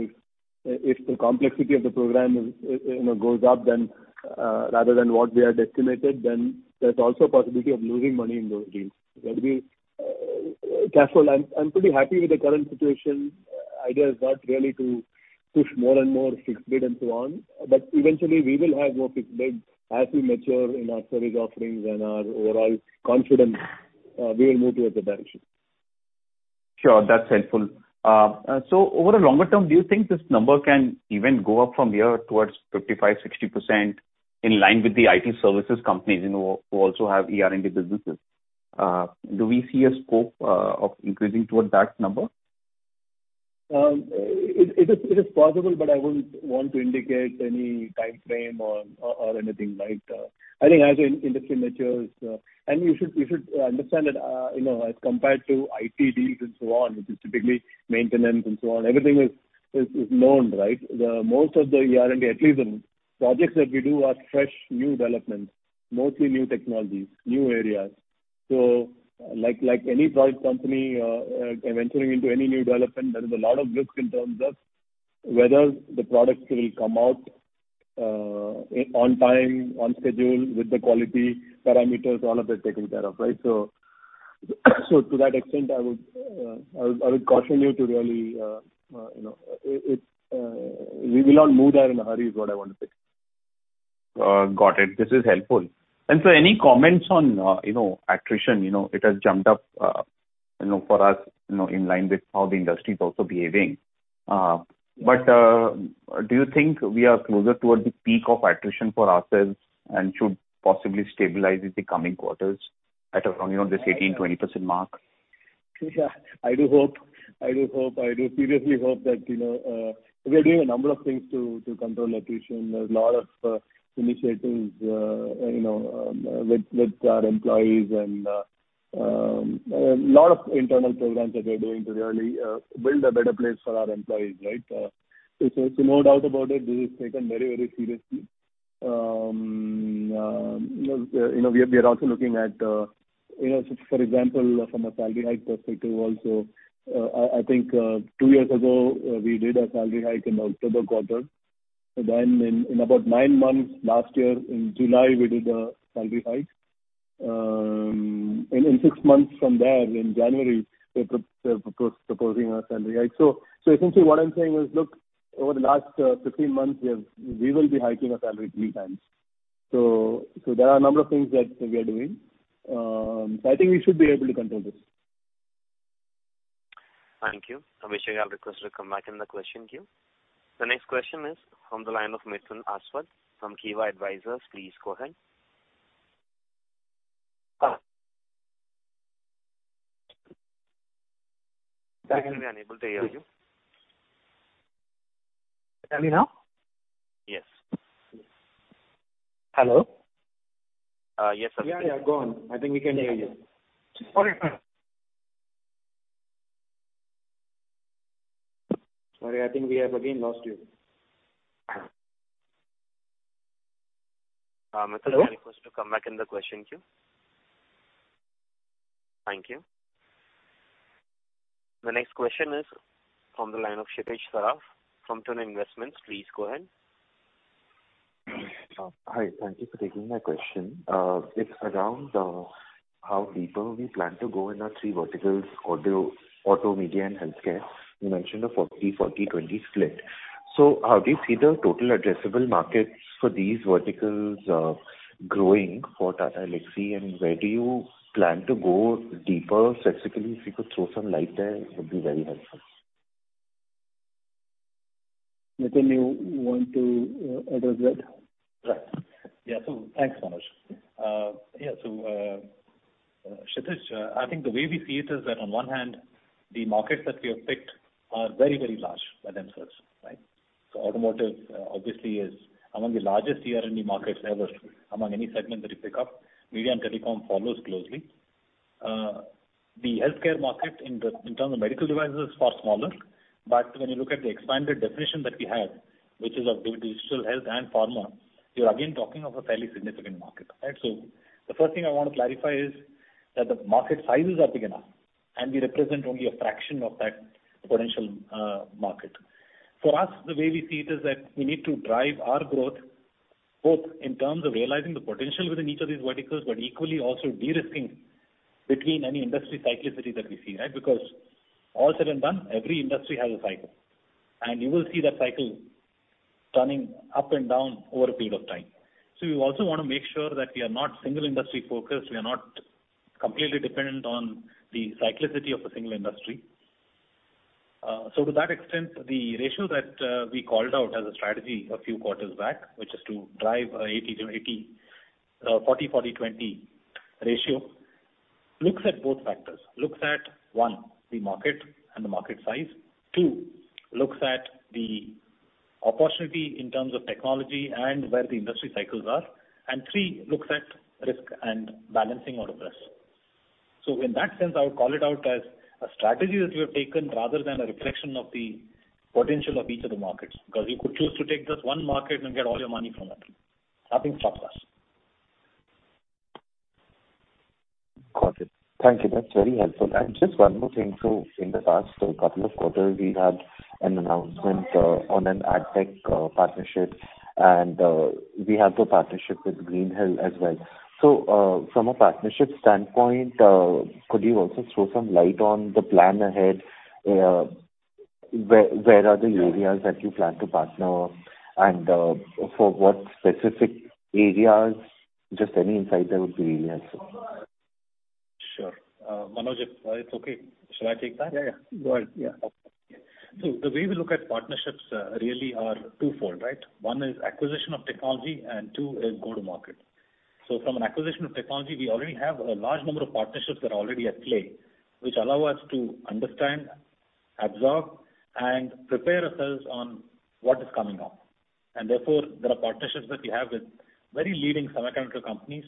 if the complexity of the program is, you know, goes up then, rather than what we have estimated, then there's also a possibility of losing money in those deals. We have to be careful. I'm pretty happy with the current situation. Idea is not really to push more and more fixed bid and so on. Eventually we will have more fixed bids. As we mature in our service offerings and our overall confidence, we will move towards that direction. Sure. That's helpful. Over a longer term, do you think this number can even go up from here towards 55%-60% in line with the IT services companies, you know, who also have ER&D businesses? Do we see a scope of increasing towards that number? It is possible, but I wouldn't want to indicate any timeframe or anything like that. I think as the industry matures, and you should understand that, you know, as compared to IT deals and so on, which is typically maintenance and so on, everything is known, right? Most of the ER&D, at least in projects that we do, are fresh, new developments, mostly new technologies, new areas. Like any product company, venturing into any new development, there is a lot of risk in terms of whether the products will come out on time, on schedule, with the quality parameters, all of that taken care of, right? To that extent, I would caution you to really, you know, we will not move there in a hurry is what I want to say. Got it. This is helpful. Any comments on, you know, attrition, you know, it has jumped up, you know, for us, you know, in line with how the industry is also behaving. Do you think we are closer towards the peak of attrition for ourselves and should possibly stabilize in the coming quarters at around, you know, this 18%-20% mark? Yeah, I do hope. I do seriously hope that, you know, we are doing a number of things to control attrition. There's a lot of initiatives, you know, with our employees and a lot of internal programs that we're doing to really build a better place for our employees, right? So no doubt about it, this is taken very, very seriously. You know, we are also looking at, you know, for example, from a salary hike perspective also, I think, two years ago, we did a salary hike in October quarter. In about nine months last year in July, we did a salary hike. In six months from there, in January, we're proposing a salary hike. Essentially what I'm saying is, look, over the last 15 months, we will be hiking a salary three times. There are a number of things that we are doing. I think we should be able to control this. Thank you. Abhishek, you are requested to come back in the question queue. The next question is from the line of Mithun Aswath from Kivah Advisors. Please go ahead. Can- We are unable to hear you. Can you hear me now? Yes. Hello? Yes. Yeah, yeah. Go on. I think we can hear you. Okay, fine. Sorry, I think we have again lost you. Mithun Hello. You are requested to come back in the question queue. Thank you. The next question is from the line of Kshitij Saraf from Tusk Investments. Please go ahead. Hi. Thank you for taking my question. It's around how deeper we plan to go in our three verticals, auto, media, and healthcare. You mentioned the 40, 20 split. How do you see the total addressable markets for these verticals growing for Tata Elxsi? And where do you plan to go deeper specifically? If you could throw some light there, it would be very helpful. Nitin, you want to address that? Right. Yeah. Thanks, Manoj. Kshitij, I think the way we see it is that on one hand, the markets that we have picked are very, very large by themselves, right? Automotive obviously is among the largest end markets ever among any segment that you pick up. Media and telecom follows closely. The healthcare market in terms of medical devices is far smaller, but when you look at the expanded definition that we have, which is of both digital health and pharma, you're again talking of a fairly significant market, right? The first thing I want to clarify is that the market sizes are big enough, and we represent only a fraction of that potential market. For us, the way we see it is that we need to drive our growth both in terms of realizing the potential within each of these verticals, but equally also de-risking between any industry cyclicity that we see, right? Because all said and done, every industry has a cycle. You will see that cycle turning up and down over a period of time. We also wanna make sure that we are not single industry focused. We are not completely dependent on the cyclicity of a single industry. To that extent, the ratio that we called out as a strategy a few quarters back, which is to drive 80-80, 40, 20 ratio, looks at both factors. Looks at one, the market and the market size. Two, looks at the opportunity in terms of technology and where the industry cycles are. Three, looks at risk and balancing all of this. In that sense, I would call it out as a strategy that we have taken rather than a reflection of the potential of each of the markets. Because you could choose to take just one market and get all your money from that. Nothing stops us. Got it. Thank you. That's very helpful. Just one more thing. In the past couple of quarters, we had an announcement on an AdTech partnership, and we have the partnership with Green Hills as well. From a partnership standpoint, could you also throw some light on the plan ahead? Where are the areas that you plan to partner? And for what specific areas? Just any insight there would be really helpful. Sure. Manoj, if it's okay, should I take that? Yeah, yeah. Go ahead. Yeah. The way we look at partnerships really are twofold, right? One is acquisition of technology, and two is go to market. From an acquisition of technology, we already have a large number of partnerships that are already at play, which allow us to understand, absorb, and prepare ourselves on what is coming up. Therefore, there are partnerships that we have with very leading semiconductor companies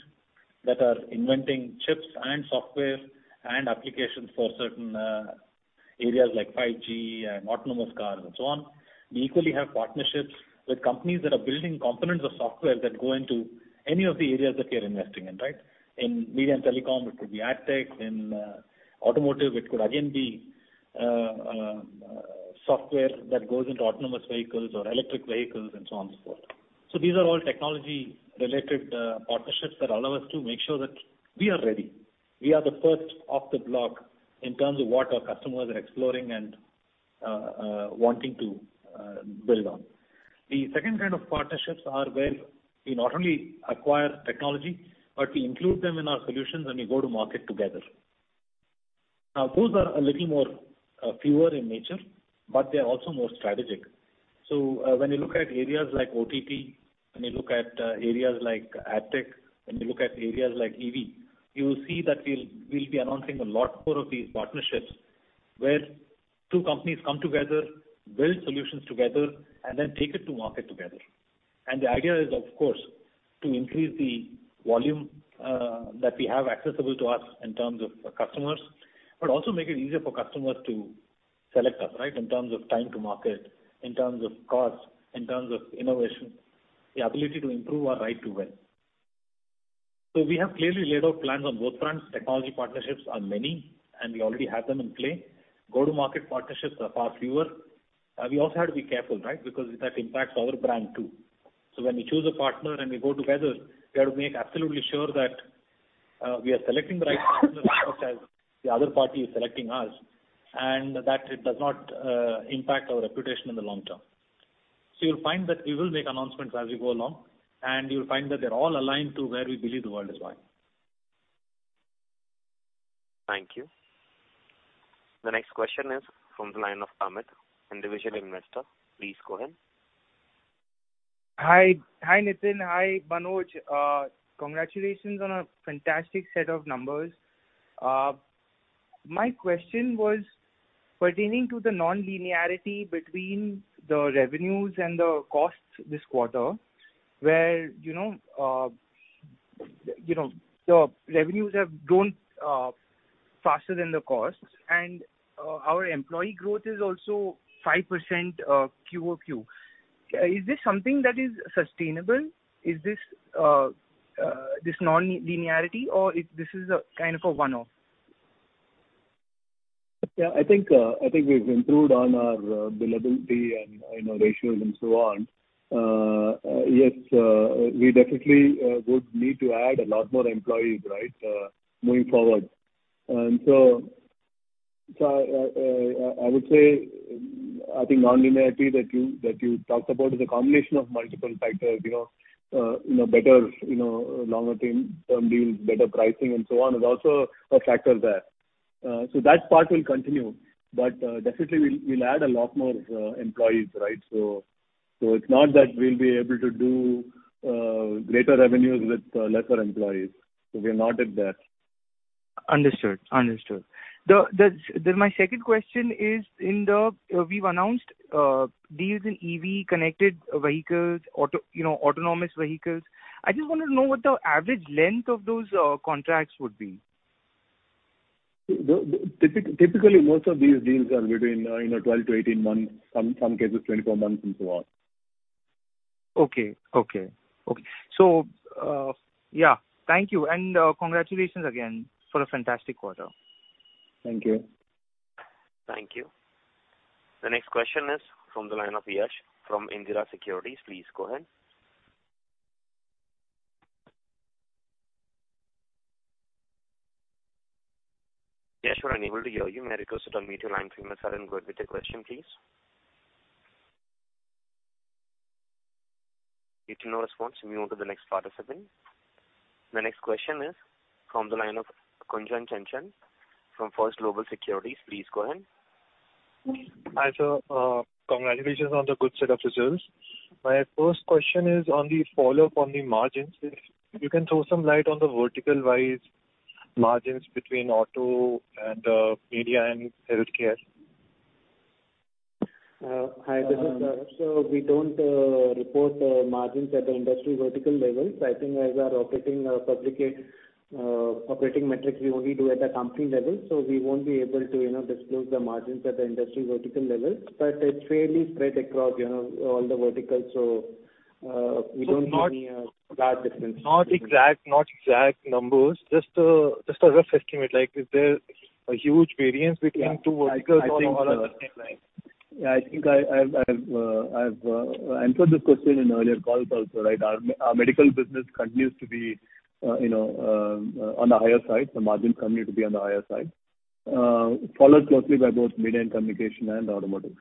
that are inventing chips and software and applications for certain. Areas like 5G and autonomous cars and so on. We equally have partnerships with companies that are building components of software that go into any of the areas that we are investing in, right? In media and telecom, it could be AdTech. In automotive, it could again be software that goes into autonomous vehicles or electric vehicles and so on so forth. These are all technology-related partnerships that allow us to make sure that we are ready. We are the first off the block in terms of what our customers are exploring and wanting to build on. The second kind of partnerships are where we not only acquire technology, but we include them in our solutions and we go to market together. Now, those are a little more fewer in nature, but they're also more strategic. When you look at areas like OTT, when you look at areas like AdTech, when you look at areas like EV, you will see that we'll be announcing a lot more of these partnerships where two companies come together, build solutions together, and then take it to market together. The idea is, of course, to increase the volume that we have accessible to us in terms of the customers, but also make it easier for customers to select us, right, in terms of time to market, in terms of cost, in terms of innovation, the ability to improve our ride to win. We have clearly laid out plans on both fronts. Technology partnerships are many, and we already have them in play. Go-to-market partnerships are far fewer. We also have to be careful, right? Because that impacts our brand too. When we choose a partner and we go together, we have to make absolutely sure that we are selecting the right partners as the other party is selecting us, and that it does not impact our reputation in the long term. You'll find that we will make announcements as we go along, and you'll find that they're all aligned to where we believe the world is going. Thank you. The next question is from the line of Amit, individual investor. Please go ahead. Hi. Hi, Nitin. Hi, Manoj. Congratulations on a fantastic set of numbers. My question was pertaining to the non-linearity between the revenues and the costs this quarter, where, you know, you know, the revenues have grown faster than the costs and our employee growth is also 5% Q-over-Q. Is this something that is sustainable? Is this non-linearity, or is this a kind of a one-off? Yeah. I think we've improved on our billability and, you know, ratios and so on. Yes, we definitely would need to add a lot more employees, right, moving forward. I would say, I think nonlinearity that you talked about is a combination of multiple factors. You know, better, you know, longer-term deals, better pricing and so on is also a factor there. That part will continue. Definitely we'll add a lot more employees, right? It's not that we'll be able to do greater revenues with lesser employees. We're not at that. Understood. My second question is, we've announced deals in EV-connected vehicles, auto, you know, autonomous vehicles. I just wanted to know what the average length of those contracts would be. Typically, most of these deals are between 12-18 months, you know, some cases 24 months and so on. Okay. Yeah. Thank you and congratulations again for a fantastic quarter. Thank you. Thank you. The next question is from the line of Yash from Indira Securities. Please go ahead. Yash, we're unable to hear you. May I request that you unmute your line a few more seconds and go ahead with your question, please. Getting no response. We move to the next participant. The next question is from the line of Kunjan Chachan from First Global Securities. Please go ahead. Hi, sir. Congratulations on the good set of results. My first question is on the follow-up on the margins. If you can throw some light on the vertical-wise margins between auto and media and healthcare. Hi, this is Gaurav Bajaj. We don't report margins at the industry vertical level. I think as our public operating metrics, we only do at the company level. We won't be able to, you know, disclose the margins at the industry vertical level. It's fairly spread across, you know, all the verticals. We don't see any large difference. Not exact numbers. Just a rough estimate. Like, is there a huge variance between two verticals or all are the same, right? Yeah. I think I've answered this question in earlier calls also, right? Our medical business continues to be, you know, on the higher side. The margins continue to be on the higher side, followed closely by both media and communication and automotive.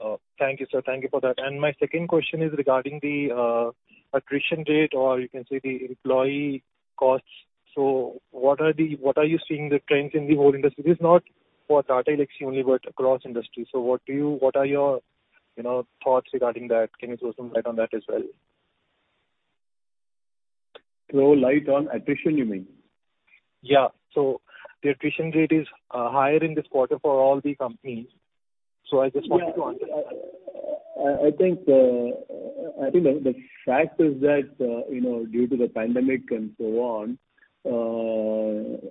Oh, thank you, sir. Thank you for that. My second question is regarding the attrition rate or you can say the employee costs. What are you seeing the trends in the whole industry? This is not for Tata Elxsi only, but across industry. What are your, you know, thoughts regarding that? Can you throw some light on that as well? Throw light on attrition, you mean? Yeah. The attrition rate is higher in this quarter for all the companies. I just want to I think the fact is that due to the pandemic and so on,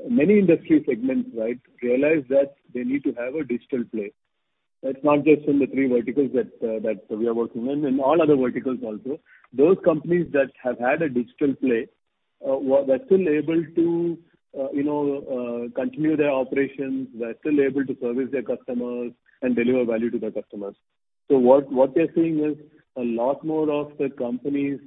many industry segments, right, realize that they need to have a digital play. That's not just in the three verticals that we are working in all other verticals also. Those companies that have had a digital play were still able to continue their operations. They're still able to service their customers and deliver value to their customers. What they're seeing is a lot more of the companies,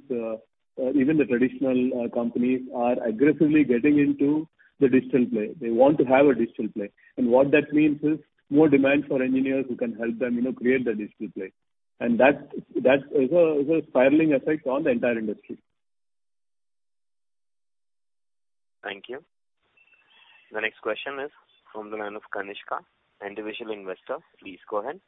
even the traditional companies are aggressively getting into the digital play. They want to have a digital play. What that means is more demand for engineers who can help them, you know, create the digital play. That is a spiraling effect on the entire industry. Thank you. The next question is from the line of Kanishka, individual investor. Please go ahead.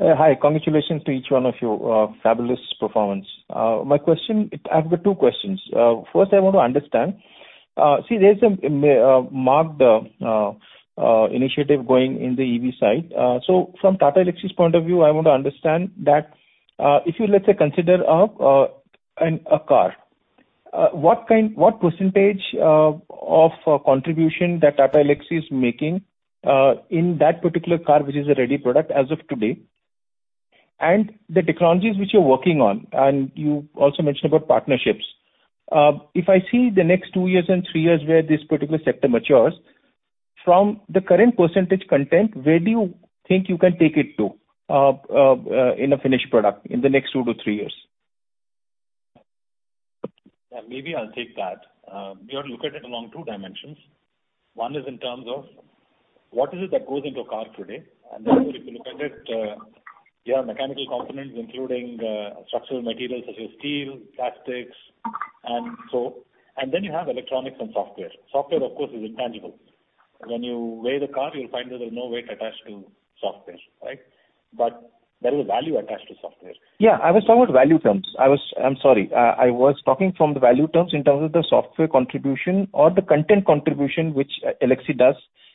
Hi. Congratulations to each one of you. Fabulous performance. My question, I have two questions. First I want to understand, see, there's a marked initiative going in the EV side. So from Tata Elxsi's point of view, I want to understand that, if you, let's say, consider a car, what kind, what percentage of contribution that Tata Elxsi is making in that particular car, which is a ready product as of today? The technologies which you're working on, and you also mentioned about partnerships. If I see the next two years and three years where this particular sector matures, from the current percentage content, where do you think you can take it to in a finished product in the next two to three years? Yeah, maybe I'll take that. We ought to look at it along two dimensions. One is in terms of what is it that goes into a car today. Therefore, if you look at it, you have mechanical components, including structural materials such as steel, plastics, and so on. You have electronics and software. Software, of course, is intangible. When you weigh the car, you'll find that there's no weight attached to software, right? There is value attached to software. Yeah, I was talking about value terms. I'm sorry. I was talking from the value terms in terms of the software contribution or the content contribution which Tata Elxsi does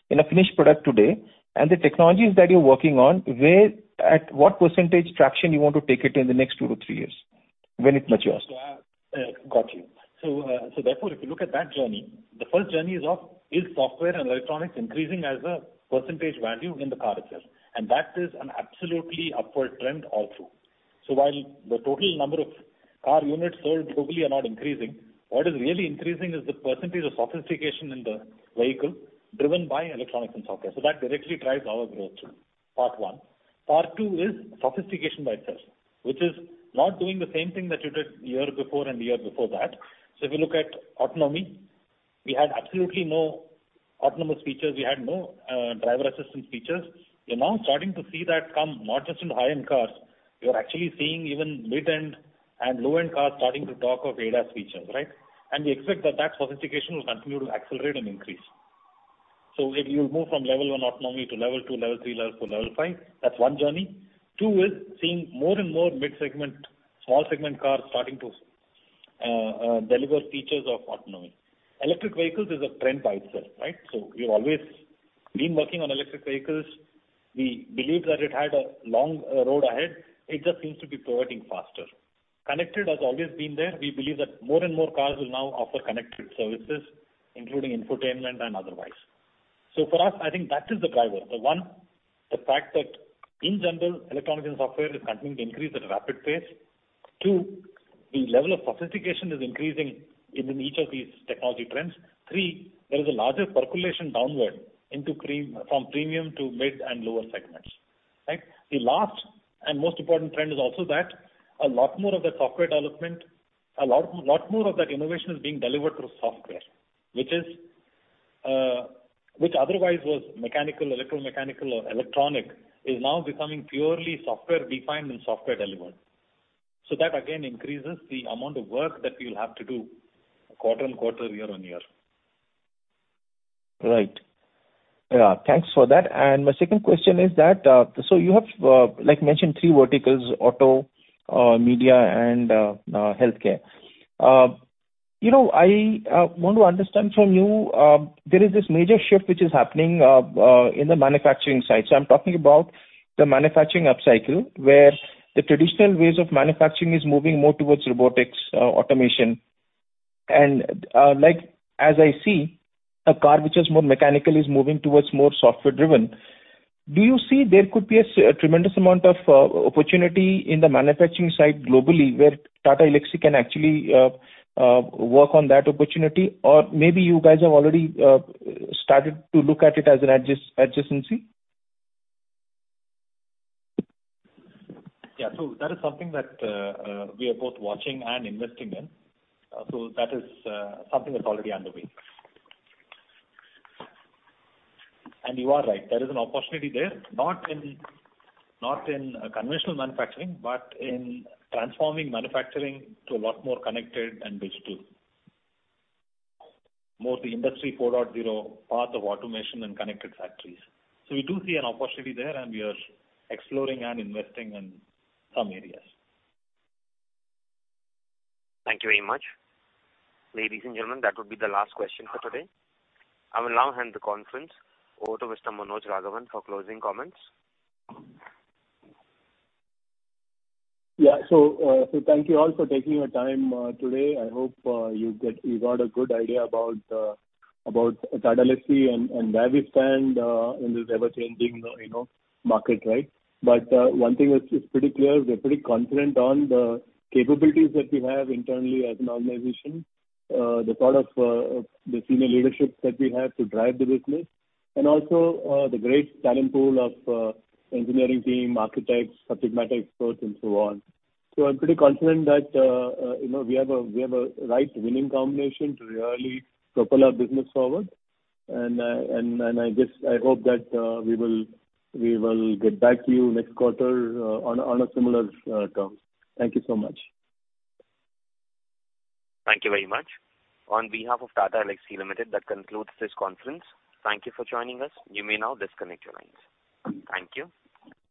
in a finished product today. The technologies that you're working on, where, at what percentage traction you want to take it in the next 2-3 years when it matures? Got you. Therefore, if you look at that journey, the first journey is of software and electronics increasing as a percentage value in the car itself? That is an absolutely upward trend also. While the total number of car units sold globally are not increasing, what is really increasing is the percentage of sophistication in the vehicle driven by electronics and software. That directly drives our growth. Part one. Part two is sophistication by itself, which is not doing the same thing that you did year before and year before that. If you look at autonomy, we had absolutely no autonomous features. We had no driver assistance features. We're now starting to see that come not just in high-end cars. We are actually seeing even mid-end and low-end cars starting to talk of ADAS features, right? We expect that sophistication will continue to accelerate and increase. If you move from level 1 autonomy to level 2, level 3, level 4, level 5, that's 1 journey. 2 is seeing more and more mid-segment, small segment cars starting to deliver features of autonomy. Electric vehicles is a trend by itself, right? We've always been working on electric vehicles. We believe that it had a long road ahead. It just seems to be growing faster. Connected has always been there. We believe that more and more cars will now offer connected services, including infotainment and otherwise. For us, I think that is the driver. The 1, the fact that in general, electronics and software is continuing to increase at a rapid pace. 2, the level of sophistication is increasing in each of these technology trends. Three, there is a larger percolation downward into from premium to mid and lower segments, right? The last and most important trend is also that a lot more of the software development, a lot more of that innovation is being delivered through software, which is, which otherwise was mechanical, electromechanical, or electronic, is now becoming purely software-defined and software-delivered. That again increases the amount of work that we will have to do quarter on quarter, year on year. Right. Yeah. Thanks for that. My second question is that, so you have, like mentioned three verticals, auto, media and, healthcare. You know, I want to understand from you, there is this major shift which is happening, in the manufacturing side. I'm talking about the manufacturing upcycle, where the traditional ways of manufacturing is moving more towards robotics, automation. Like as I see, a car which is more mechanical is moving towards more software-driven. Do you see there could be a tremendous amount of opportunity in the manufacturing side globally, where Tata Elxsi can actually work on that opportunity? Or maybe you guys have already started to look at it as an adjacency? Yeah. That is something that we are both watching and investing in. That is something that's already underway. You are right, there is an opportunity there, not in conventional manufacturing, but in transforming manufacturing to a lot more connected and digital. More the Industry 4.0 path of automation and connected factories. We do see an opportunity there, and we are exploring and investing in some areas. Thank you very much. Ladies and gentlemen, that would be the last question for today. I will now hand the conference over to Mr. Manoj Raghavan for closing comments. Thank you all for taking the time today. I hope you got a good idea about Tata Elxsi and where we stand in this ever-changing, you know, market, right? One thing is pretty clear, we're pretty confident on the capabilities that we have internally as an organization. The senior leadership that we have to drive the business and also the great talent pool of engineering team, architects, subject matter experts, and so on. I'm pretty confident that, you know, we have a right winning combination to really propel our business forward. I just hope that we will get back to you next quarter on similar terms. Thank you so much. Thank you very much. On behalf of Tata Elxsi Limited, that concludes this conference. Thank you for joining us. You may now disconnect your lines. Thank you.